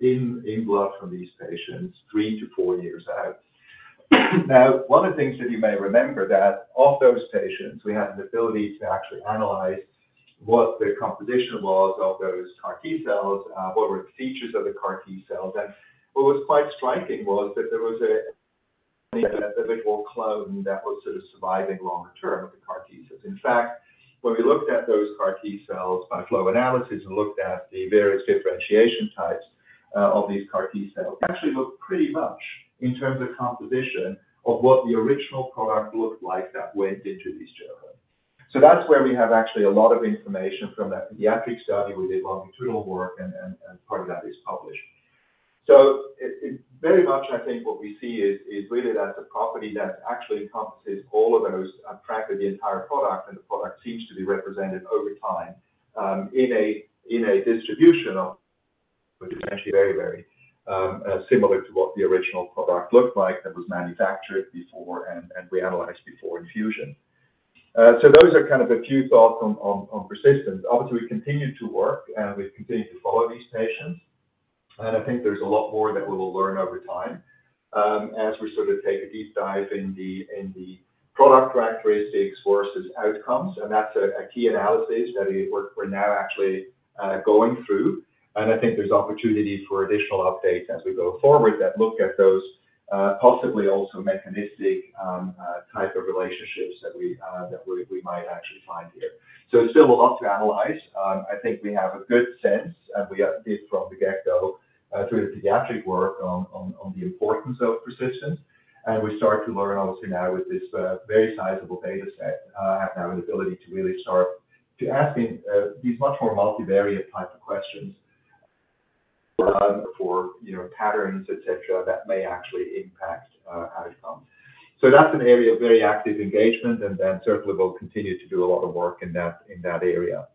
in blood from these patients 3-4 years out. Now, one of the things that you may remember that of those patients, we had an ability to actually analyze what the composition was of those CAR T cells, what were the features of the CAR T cells. And what was quite striking was that there was a typical clone that was sort of surviving longer term of the CAR T cells. In fact, when we looked at those CAR T cells by flow analysis and looked at the various differentiation types of these CAR T cells, actually looked pretty much in terms of composition of what the original product looked like that went into these children. So that's where we have actually a lot of information from that pediatric study we did, longitudinal work, and part of that is published. So it very much, I think what we see is really that's a property that actually encompasses all of those practically the entire product, and the product seems to be represented over time in a distribution of which is actually very, very similar to what the original product looked like that was manufactured before and reanalyzed before infusion. So those are kind of a few thoughts on persistence. Obviously, we continue to work, and we continue to follow these patients. And I think there's a lot more that we will learn over time, as we sort of take a deep dive in the product characteristics versus outcomes. And that's a key analysis that we're now actually going through. And I think there's opportunity for additional updates as we go forward that look at those, possibly also mechanistic type of relationships that we might actually find here. So still a lot to analyze. I think we have a good sense, and we did from the get-go, through the pediatric work on the importance of persistence. We start to learn, obviously, now with this, very sizable data set, have now an ability to really start to ask these, these much more multivariate type of questions, for, you know, patterns, et cetera, that may actually impact, outcome. That's an area of very active engagement, and then certainly we'll continue to do a lot of work in that, in that area.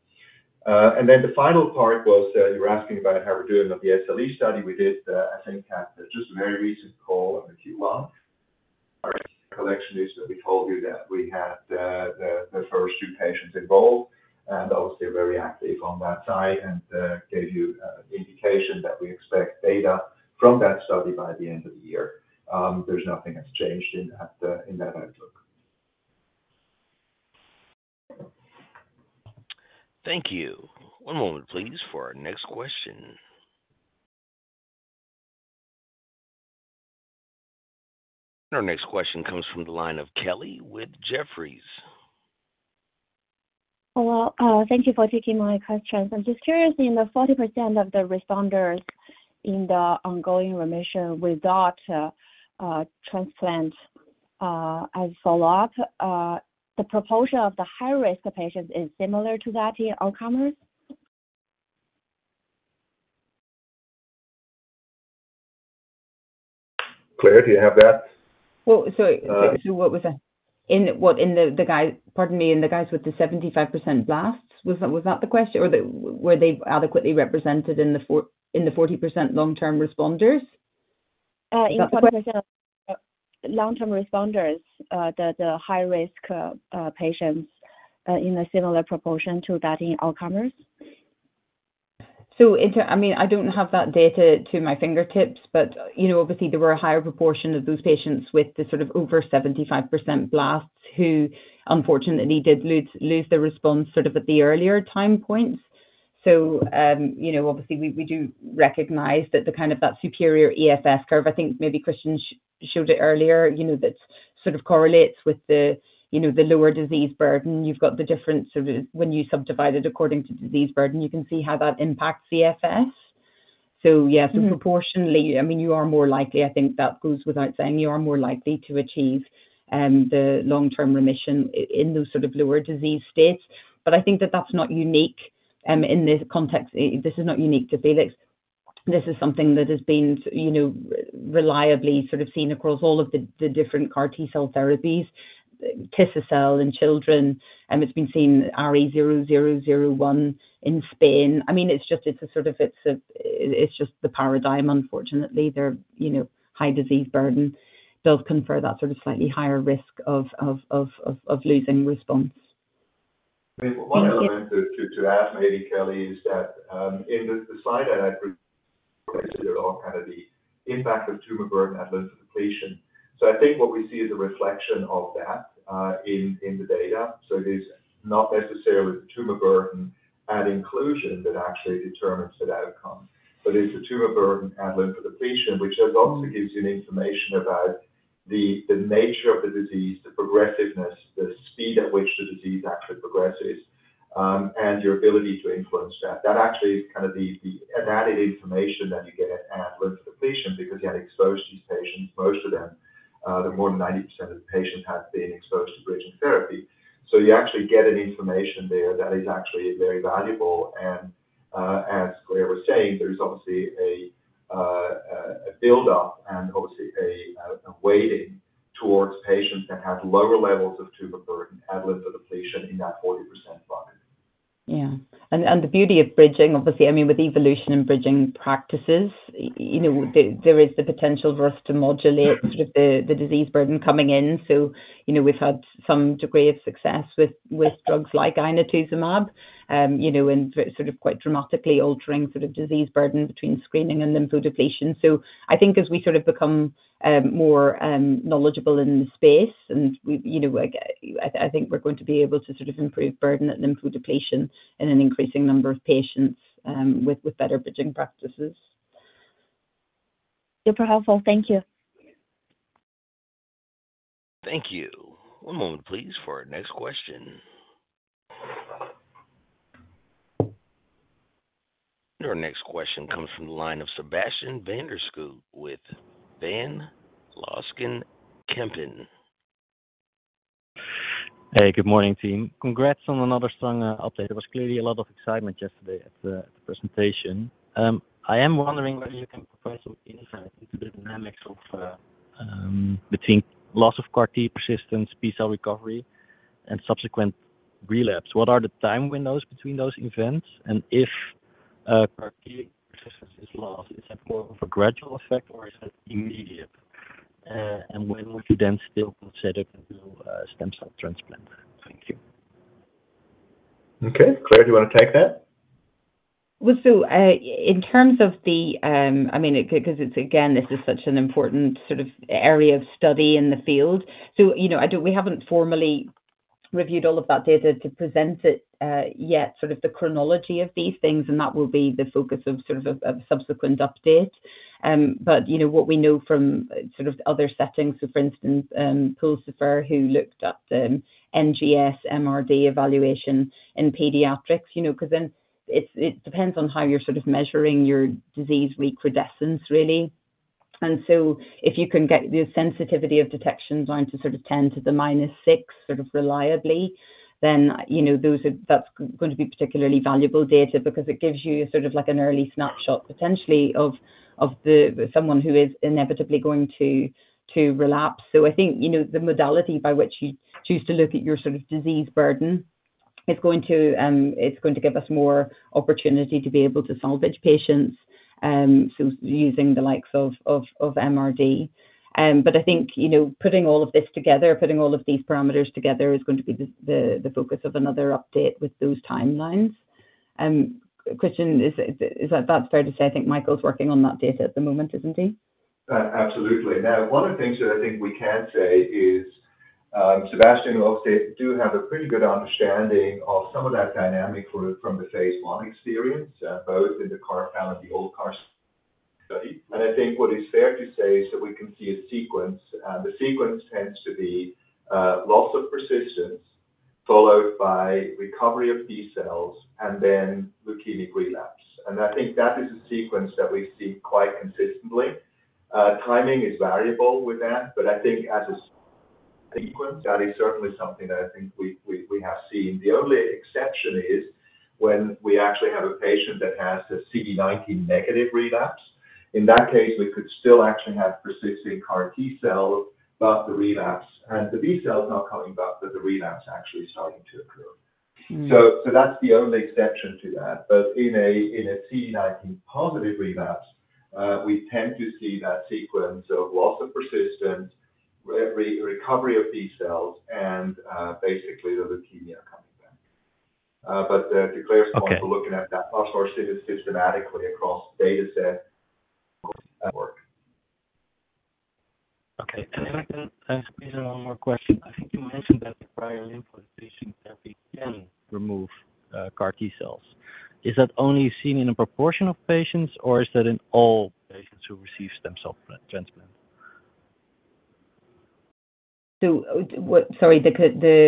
Then the final part was, you were asking about how we're doing with the SLE study. We did, I think, just a very recent call in the Q1. Our recollection is that we told you that we had the first two patients enrolled, and obviously very active on that side, and, gave you, indication that we expect data from that study by the end of the year. There's nothing that's changed in that outlook. Thank you. One moment, please, for our next question. Our next question comes from the line of Kelly Shi with Jefferies. Well, thank you for taking my questions. I'm just curious, in the 40% of the responders in the ongoing remission without transplant as follow-up, the proportion of the high-risk patients is similar to that in all comers? Claire, do you have that? Well, so- Uh. So what was that? Pardon me. In the guys with the 75% blasts, was that, was that the question? Or were they adequately represented in the 40% long-term responders? In the 40% of long-term responders, the high risk patients, in a similar proportion to that in all comers. I mean, I don't have that data to my fingertips, but, you know, obviously, there were a higher proportion of those patients with the sort of over 75% blasts, who unfortunately did lose their response sort of at the earlier time points. So, you know, obviously, we do recognize that the kind of that superior EFS curve, I think maybe Christian showed it earlier, you know, that sort of correlates with the, you know, the lower disease burden. You've got the difference of when you subdivide it according to disease burden, you can see how that impacts EFS. So yeah- Mm-hmm. So proportionally, I mean, you are more likely, I think that goes without saying, you are more likely to achieve the long-term remission in those sort of lower disease states. But I think that that's not unique in this context. This is not unique to FELIX. This is something that has been, you know, reliably sort of seen across all of the different CAR T cell therapies, Tisa cell in children, and it's been seen in ELIANA in Spain. I mean, it's just, it's a sort of, it's a, it's just the paradigm unfortunately, there, you know, high disease burden does confer that sort of slightly higher risk of losing response. One other element to add maybe, Kelly, is that, in the slide that I presented at ASCO, kind of the impact of tumor burden at lymphodepletion. So I think what we see is a reflection of that, in the data. So it is not necessarily the tumor burden at inclusion that actually determines that outcome, but it's the tumor burden at lymphodepletion, which then also gives you the information about the nature of the disease, the progressiveness, the speed at which the disease actually progresses, and your ability to influence that. That actually is kind of the added information that you get at lymphodepletion because you had exposed these patients, most of them, the more than 90% of the patients had been exposed to bridging therapy. So you actually get an information there that is actually very valuable, and, as Claire was saying, there's obviously a buildup and obviously a weighting towards patients that have lower levels of tumor burden at lymphodepletion in that 40% bucket. Yeah. The beauty of bridging, obviously, I mean, with evolution and bridging practices, you know, there is the potential for us to modulate the disease burden coming in. So, you know, we've had some degree of success with drugs like Inotuzumab, you know, and sort of quite dramatically altering sort of disease burden between screening and lymphodepletion. So I think as we sort of become more knowledgeable in the space and we, you know, like, I think we're going to be able to sort of improve burden at lymphodepletion in an increasing number of patients with better bridging practices. Super helpful. Thank you. Thank you. One moment, please, for our next question.... Your next question comes from the line of Sebastiaan van der Schoot with Van Lanschot Kempen. Hey, good morning, team. Congrats on another strong update. There was clearly a lot of excitement yesterday at the presentation. I am wondering whether you can provide some insight into the dynamics of between loss of CAR T persistence, B-cell recovery, and subsequent relapse. What are the time windows between those events? And if CAR T persistence is lost, is that more of a gradual effect, or is it immediate? And when would you then still consider doing stem cell transplant? Thank you. Okay, Claire, do you want to take that? Well, so, in terms of the, I mean, 'cause it's again, this is such an important sort of area of study in the field. So, you know, I don't, we haven't formally reviewed all of that data to present it, yet, sort of the chronology of these things, and that will be the focus of sort of a subsequent update. But, you know, what we know from sort of other settings, so for instance, Pulsipher, who looked at the NGS MRD evaluation in pediatrics, you know, 'cause then it depends on how you're sort of measuring your disease recrudescence, really. And so if you can get the sensitivity of detections down to sort of 10 to the minus 6, sort of reliably, then, you know, those are... That's going to be particularly valuable data because it gives you sort of like an early snapshot, potentially, of someone who is inevitably going to relapse. So I think, you know, the modality by which you choose to look at your sort of disease burden, it's going to give us more opportunity to be able to salvage patients, so using the likes of MRD. But I think, you know, putting all of this together, putting all of these parameters together, is going to be the focus of another update with those timelines. Christian, is that fair to say? I think Michael's working on that data at the moment, isn't he? Absolutely. Now, one of the things that I think we can say is, Sebastian, we obviously do have a pretty good understanding of some of that dynamic from the phase I experience, both in the CAR-19, the old CAR study. And I think what is fair to say is that we can see a sequence, and the sequence tends to be, loss of persistence, followed by recovery of B-cells and then leukemic relapse. And I think that is a sequence that we see quite consistently. Timing is variable with that, but I think as a sequence, that is certainly something that I think we have seen. The only exception is when we actually have a patient that has a CD19-negative relapse. In that case, we could still actually have persisting CAR T-cells, but the relapse, and the B-cell is not coming back, but the relapse actually starting to occur. Mm. So that's the only exception to that. But in a CD19-positive relapse, we tend to see that sequence of loss of persistence, recovery of B-cells, and basically, the leukemia coming back. But to Claire's point- Okay. We're looking at that across more systematically across data set at work. Okay. And if I can ask please one more question. I think you mentioned that the prior lymph conditioning therapy can remove CAR T-cells. Is that only seen in a proportion of patients, or is that in all patients who receive stem cell transplant treatment? So, what... Sorry, the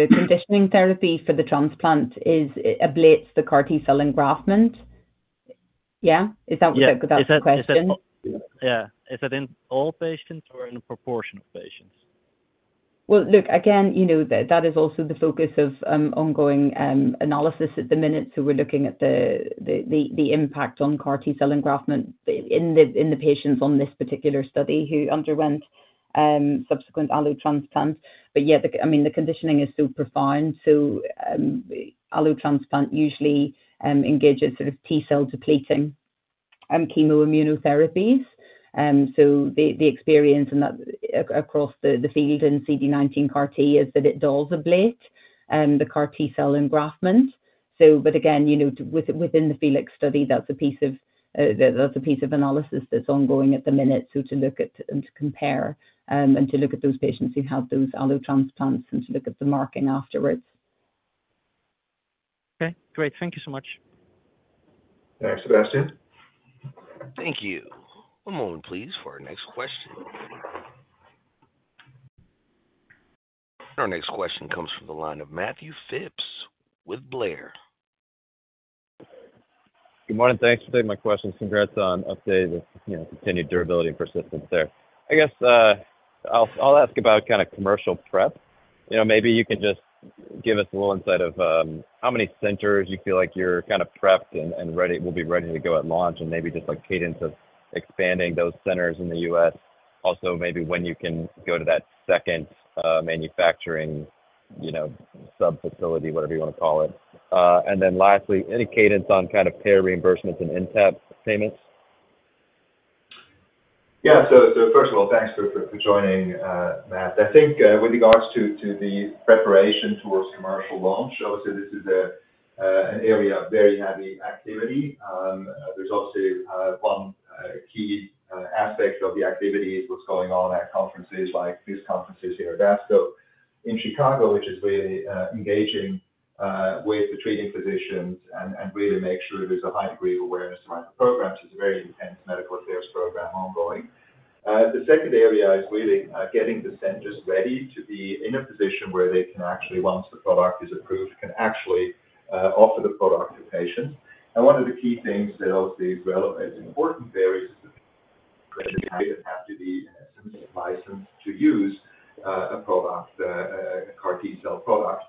conditioning therapy for the transplant is, obliterates the CAR T-cell engraftment? Yeah? Is that what- Yeah. that's the question? Yeah. Is it in all patients or in a proportion of patients? Well, look, again, you know, that, that is also the focus of ongoing analysis at the minute. So we're looking at the impact on CAR T-cell engraftment in the patients on this particular study, who underwent subsequent allo transplant. But, yeah, I mean, the conditioning is still profound. So, allo transplant usually engages sort of T-cell depleting chemo immunotherapies. So the experience in that across the field in CD19 CAR T is that it does obliterate the CAR T-cell engraftment. So, but again, you know, within the FELIX study, that's a piece of analysis that's ongoing at the minute. So to look at and to compare, and to look at those patients who had those allo transplants and to look at the marking afterwards. Okay, great. Thank you so much. Thanks, Sebastian. Thank you. One moment, please, for our next question. Our next question comes from the line of Matthew Phipps with Blair. Good morning. Thanks for taking my question. Congrats on update and, you know, continued durability and persistence there. I guess, I'll ask about kind of commercial prep. You know, maybe you can just give us a little insight of how many centers you feel like you're kind of prepped and ready to go at launch, and maybe just like cadence of expanding those centers in the US. Also, maybe when you can go to that second manufacturing, you know, sub-facility, whatever you want to call it. And then lastly, any cadence on kind of payer reimbursements and NTAP payments? Yeah. So, so first of all, thanks for, for joining, Matt. I think, with regards to, to the preparation towards commercial launch, obviously, this is a, an area of very heavy activity. There's obviously, one, key, aspect of the activity is what's going on at conferences like this conference here at ASCO. In Chicago, which is really, engaging, with the treating physicians and, and really make sure there's a high degree of awareness around the program. So it's a very intense medical affairs program ongoing. The second area is really, getting the centers ready to be in a position where they can actually, once the product is approved, can actually, offer the product to patients. And one of the key things that obviously is relevant, it's important there is-... have to be licensed to use a product, a CAR T-cell product.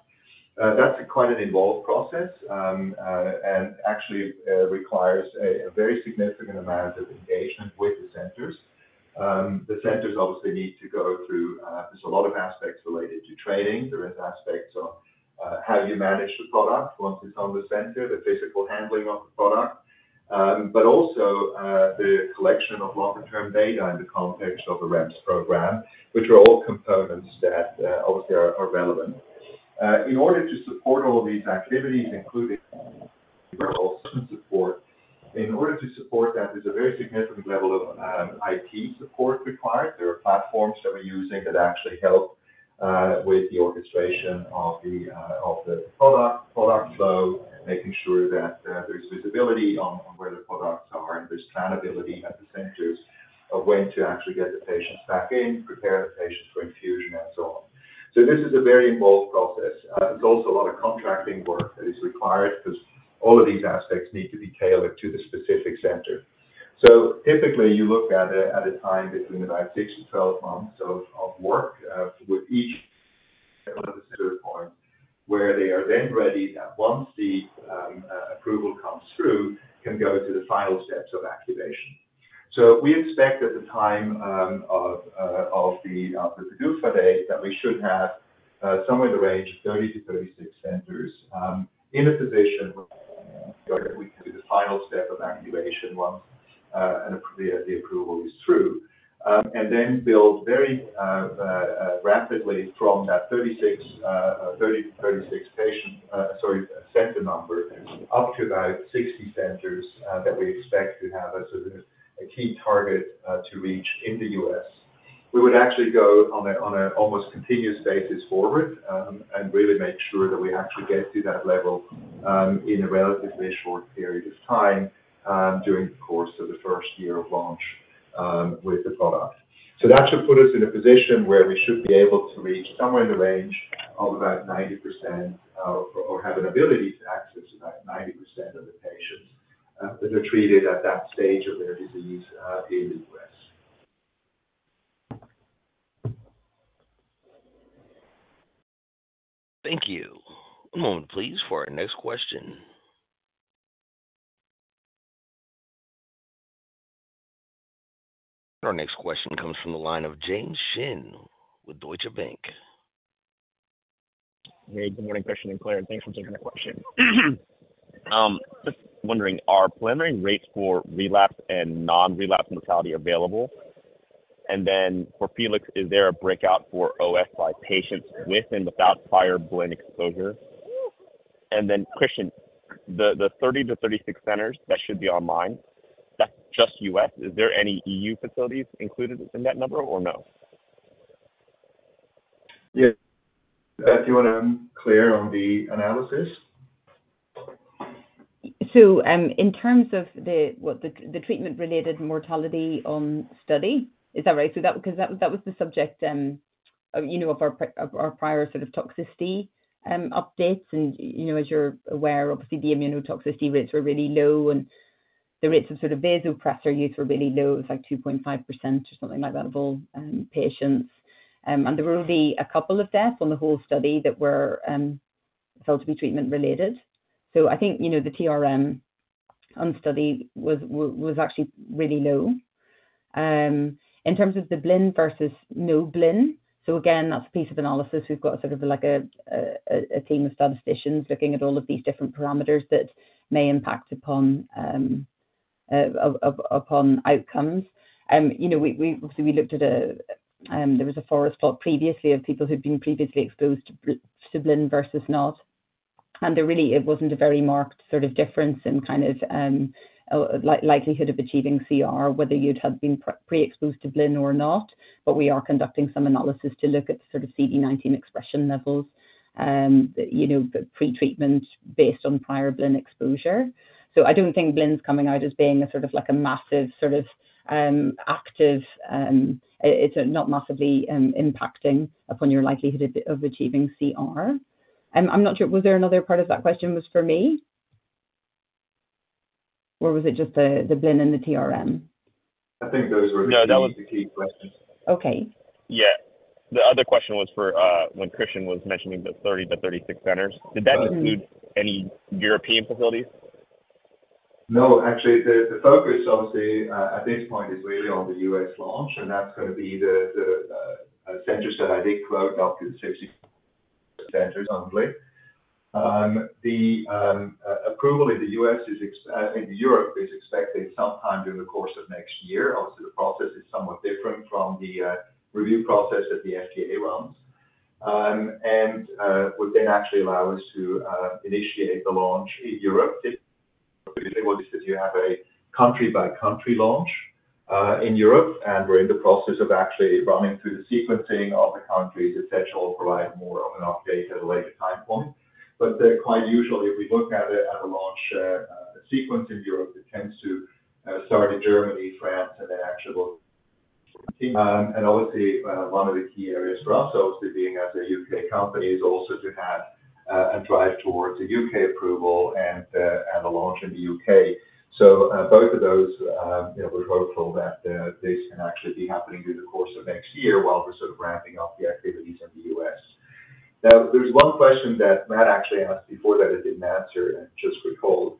That's quite an involved process, and actually requires a very significant amount of engagement with the centers. The centers obviously need to go through, there's a lot of aspects related to training. There is aspects of how you manage the product once it's on the center, the physical handling of the product. But also, the collection of longer-term data in the context of the REMS program, which are all components that obviously are relevant. In order to support all of these activities, including support. In order to support that, there's a very significant level of IT support required. There are platforms that we're using that actually help with the orchestration of the product, product flow, making sure that there's visibility on where the products are, and there's planability at the centers of when to actually get the patients back in, prepare the patients for infusion and so on. This is a very involved process. There's also a lot of contracting work that is required because all of these aspects need to be tailored to the specific center. Typically, you look at it at a time between about 6-12 months of work with each one of the centers on where they are then ready, that once the approval comes through, can go to the final steps of activation. So we expect at the time of the PDUFA Date, that we should have somewhere in the range of 30-36 centers in a position where we can do the final step of activation once the approval is through. Then build very rapidly from that 30-36 center number up to about 60 centers that we expect to have as a key target to reach in the U.S. We would actually go on an almost continuous basis forward and really make sure that we actually get to that level in a relatively short period of time during the course of the first year of launch with the product. So that should put us in a position where we should be able to reach somewhere in the range of about 90% of, or have an ability to access about 90% of the patients that are treated at that stage of their disease in the US. Thank you. One moment please, for our next question. Our next question comes from the line of James Shin with Deutsche Bank. Hey, good morning, Christian and Claire. Thanks for taking my question. Just wondering, are preliminary rates for relapse and non-relapse mortality available? And then for FELIX, is there a breakout for OS by patients with and without prior Blincyto exposure? And then, Christian, the 30-36 centers that should be online, that's just U.S. Is there any E.U. facilities included in that number or no? Yeah. Beth, you want to clear on the analysis? So, in terms of the treatment-related mortality on study, is that right? So that, because that was the subject of, you know, of our prior sort of toxicity updates. And, you know, as you're aware, obviously, the immunotoxicity rates were really low, and the rates of sort of vasopressor use were really low. It was like 2.5% or something like that, of all patients. And there were only a couple of deaths on the whole study that were felt to be treatment related. So I think, you know, the TRM on study was actually really low. In terms of the blin versus no blin, so again, that's a piece of analysis. We've got sort of like a team of statisticians looking at all of these different parameters that may impact upon outcomes. You know, we obviously looked at a, there was a forest plot previously of people who'd been previously exposed to blin versus not. And there really, it wasn't a very marked sort of difference in kind of likelihood of achieving CR, whether you'd have been pre-exposed to blin or not. But we are conducting some analysis to look at sort of CD19 expression levels, you know, pre-treatment based on prior blin exposure. So I don't think blin's coming out as being a sort of like a massive sort of... It's not massively impacting upon your likelihood of achieving CR. I'm not sure. Was there another part of that question was for me, or was it just the blin and the TRM? I think those were- No, that was- - the key questions. Okay. Yeah. The other question was for when Christian was mentioning the 30-36 centers. Mm-hmm. Did that include any European facilities? No, actually, the focus obviously at this point is really on the U.S. launch, and that's going to be the centers that I did quote, up to 60 centers only. The approval in the U.S. is ex- in Europe, is expected sometime during the course of next year. Obviously, the process is somewhat different from the review process that the FDA runs. And would then actually allow us to initiate the launch in Europe. The thing with this is you have a country-by-country launch in Europe, and we're in the process of actually running through the sequencing of the countries. Essentially, we'll provide more of an update at a later time point. But then quite usually, if we look at it at a launch sequence in Europe, it tends to start in Germany, France, and then actually and obviously, one of the key areas for us also, being as a U.K. company, is also to have a drive towards a U.K. approval and a launch in the U.K. So, both of those, you know, we're hopeful that this can actually be happening through the course of next year while we're sort of ramping up the activities in the U.S. Now, there's one question that Matt actually asked before that I didn't answer, and I just recalled.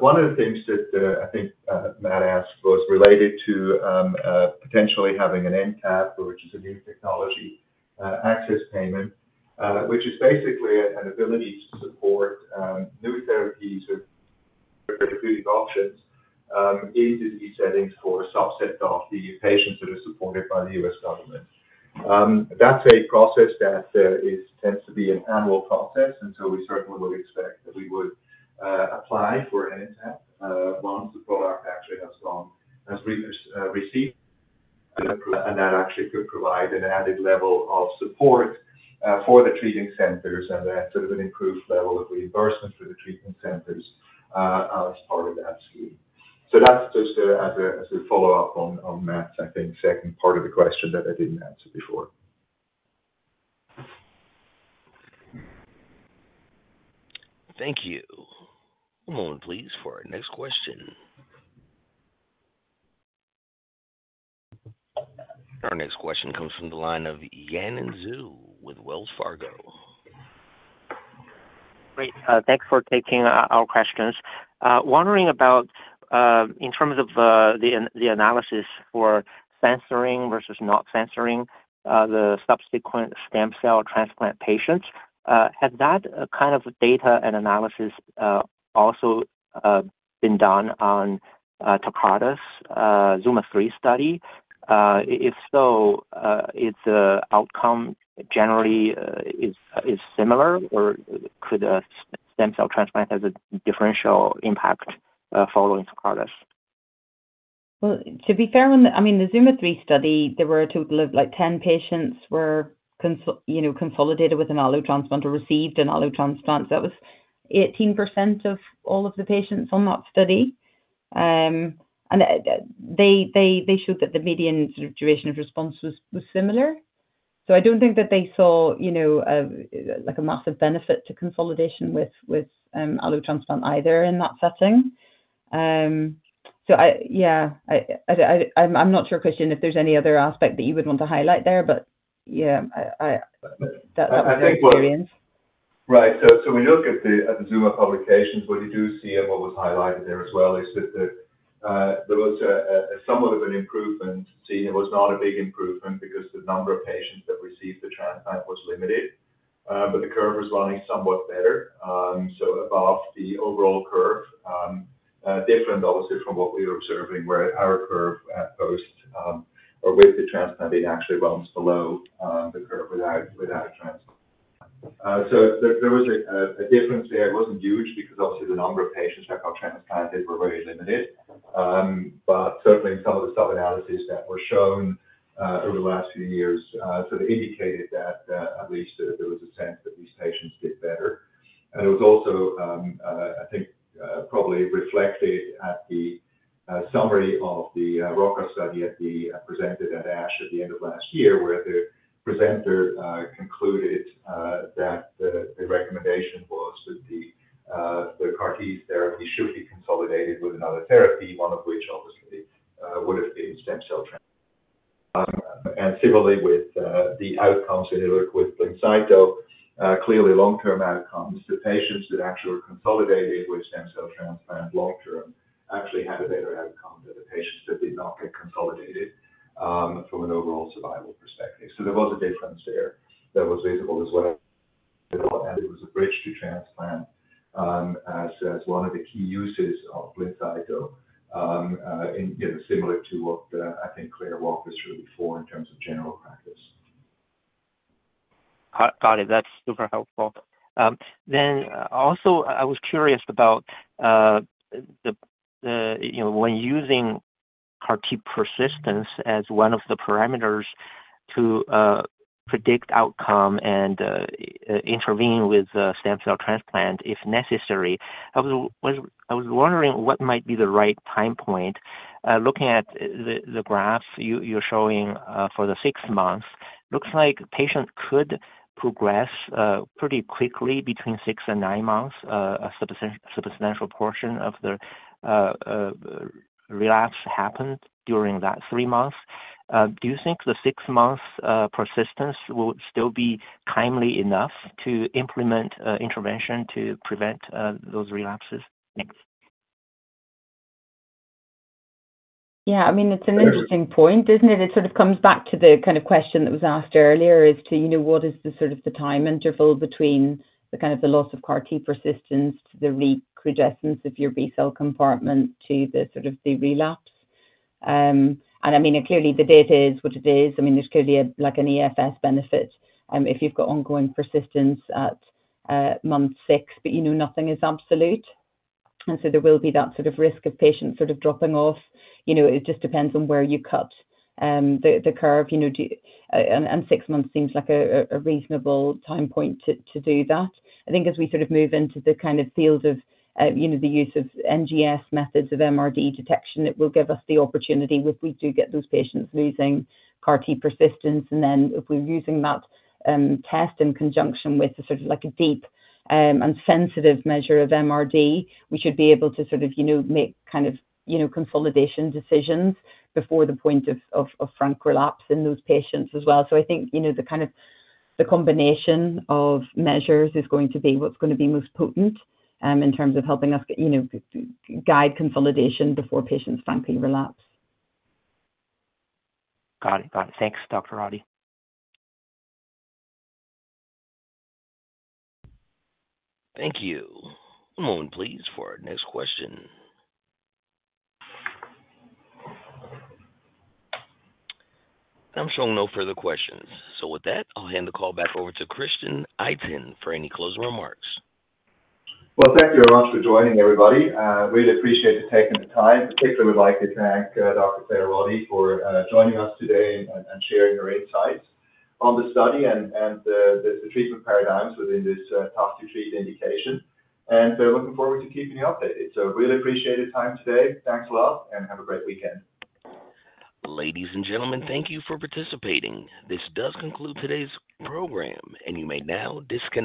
One of the things that I think Matt asked was related to potentially having an NTAP, which is a new technology add-on payment. which is basically an ability to support new therapies or including options into these settings for a subset of the patients that are supported by the U.S. government. That's a process that tends to be an annual process, and so we certainly would expect that we would apply for an NTAP once the product actually has gone, has reached, received. And that actually could provide an added level of support for the treating centers, and then sort of an improved level of reimbursement for the treatment centers as part of that scheme. So that's just as a follow-up on Matt's, I think, second part of the question that I didn't answer before. Thank you. One moment please, for our next question. Our next question comes from the line of Yanan Zhu with Wells Fargo. Great. Thanks for taking our questions. Wondering about, in terms of, the analysis for censoring versus not censoring, the subsequent stem cell transplant patients. Has that kind of data and analysis also been done on TECARTUS's ZUMA-3 study? If so, its outcome generally is similar, or could a stem cell transplant have a differential impact, following TECARTUS? Well, to be fair on the... I mean, the ZUMA-3 study, there were a total of, like, 10 patients were consolidated with an allo transplant or received an allo transplant. That was 18% of all of the patients on that study. They showed that the median sort of duration of response was similar. So I don't think that they saw, you know, like, a massive benefit to consolidation with allo transplant either in that setting. So I... Yeah, I'm not sure, Christian, if there's any other aspect that you would want to highlight there, but yeah, that's my experience. I think, well... Right. So when you look at the ZUMA publications, what you do see, and what was highlighted there as well, is that there was a somewhat of an improvement. See, it was not a big improvement because the number of patients that received the transplant was limited, but the curve was running somewhat better. So above the overall curve, different obviously from what we were observing, where our curve at post, or with the transplant, it actually runs below the curve without a transplant. So there was a difference there. It wasn't huge because obviously the number of patients that got transplanted were very limited. But certainly in some of the sub-analysis that were shown over the last few years, sort of indicated that, at least there was a sense that these patients did better. And it was also, I think, probably reflected in the summary of the ROCCA study presented at ASH at the end of last year, where the presenter concluded that the recommendation was that the CAR T therapy should be consolidated with another therapy, one of which obviously would have been stem cell transplant. And similarly with the outcomes when you look with Blincyto, clearly long-term outcomes, the patients that actually were consolidated with stem cell transplant long term actually had a better outcome than the patients that did not get consolidated, from an overall survival perspective. So there was a difference there that was visible as well, and it was a bridge to transplant, one of the key uses of Blincyto. And, you know, similar to what I think Claire Roddie showed before in terms of general practice. Got it. That's super helpful. Then also, I was curious about, the, you know, when using CAR T persistence as one of the parameters to, predict outcome and, intervene with, stem cell transplant if necessary. I was wondering what might be the right time point? Looking at the graph you're showing, for the six months, looks like patients could progress, pretty quickly between six and nine months. A substantial portion of the, relapse happened during that three months. Do you think the six months, persistence will still be timely enough to implement, intervention to prevent, those relapses? Thanks. Yeah, I mean, it's an interesting point, isn't it? It sort of comes back to the kind of question that was asked earlier as to, you know, what is the sort of time interval between the kind of loss of CAR T persistence, the recrudescence of your B-cell compartment to the sort of relapse. And I mean, clearly the data is what it is. I mean, there's clearly a, like, an EFS benefit, if you've got ongoing persistence at month six, but, you know, nothing is absolute. And so there will be that sort of risk of patients sort of dropping off. You know, it just depends on where you cut the curve, you know. And six months seems like a reasonable time point to do that. I think as we sort of move into the kind of field of, you know, the use of NGS methods of MRD detection, it will give us the opportunity, if we do get those patients losing CAR-T persistence, and then if we're using that test in conjunction with sort of like a deep and sensitive measure of MRD, we should be able to sort of, you know, make kind of, you know, consolidation decisions before the point of frank relapse in those patients as well. So I think, you know, the kind of the combination of measures is going to be what's going to be most potent in terms of helping us, you know, guide consolidation before patients frankly relapse. Got it. Got it. Thanks, Dr. Ratti. Thank you. One moment please, for our next question. I'm showing no further questions. With that, I'll hand the call back over to Christian Itin for any closing remarks. Well, thank you very much for joining everybody. Really appreciate you taking the time. Particularly, we'd like to thank Dr. Claire Roddie for joining us today and sharing her insights on the study and the treatment paradigms within this tough to treat indication. So looking forward to keeping you updated. Really appreciate your time today. Thanks a lot, and have a great weekend. Ladies and gentlemen, thank you for participating. This does conclude today's program, and you may now disconnect.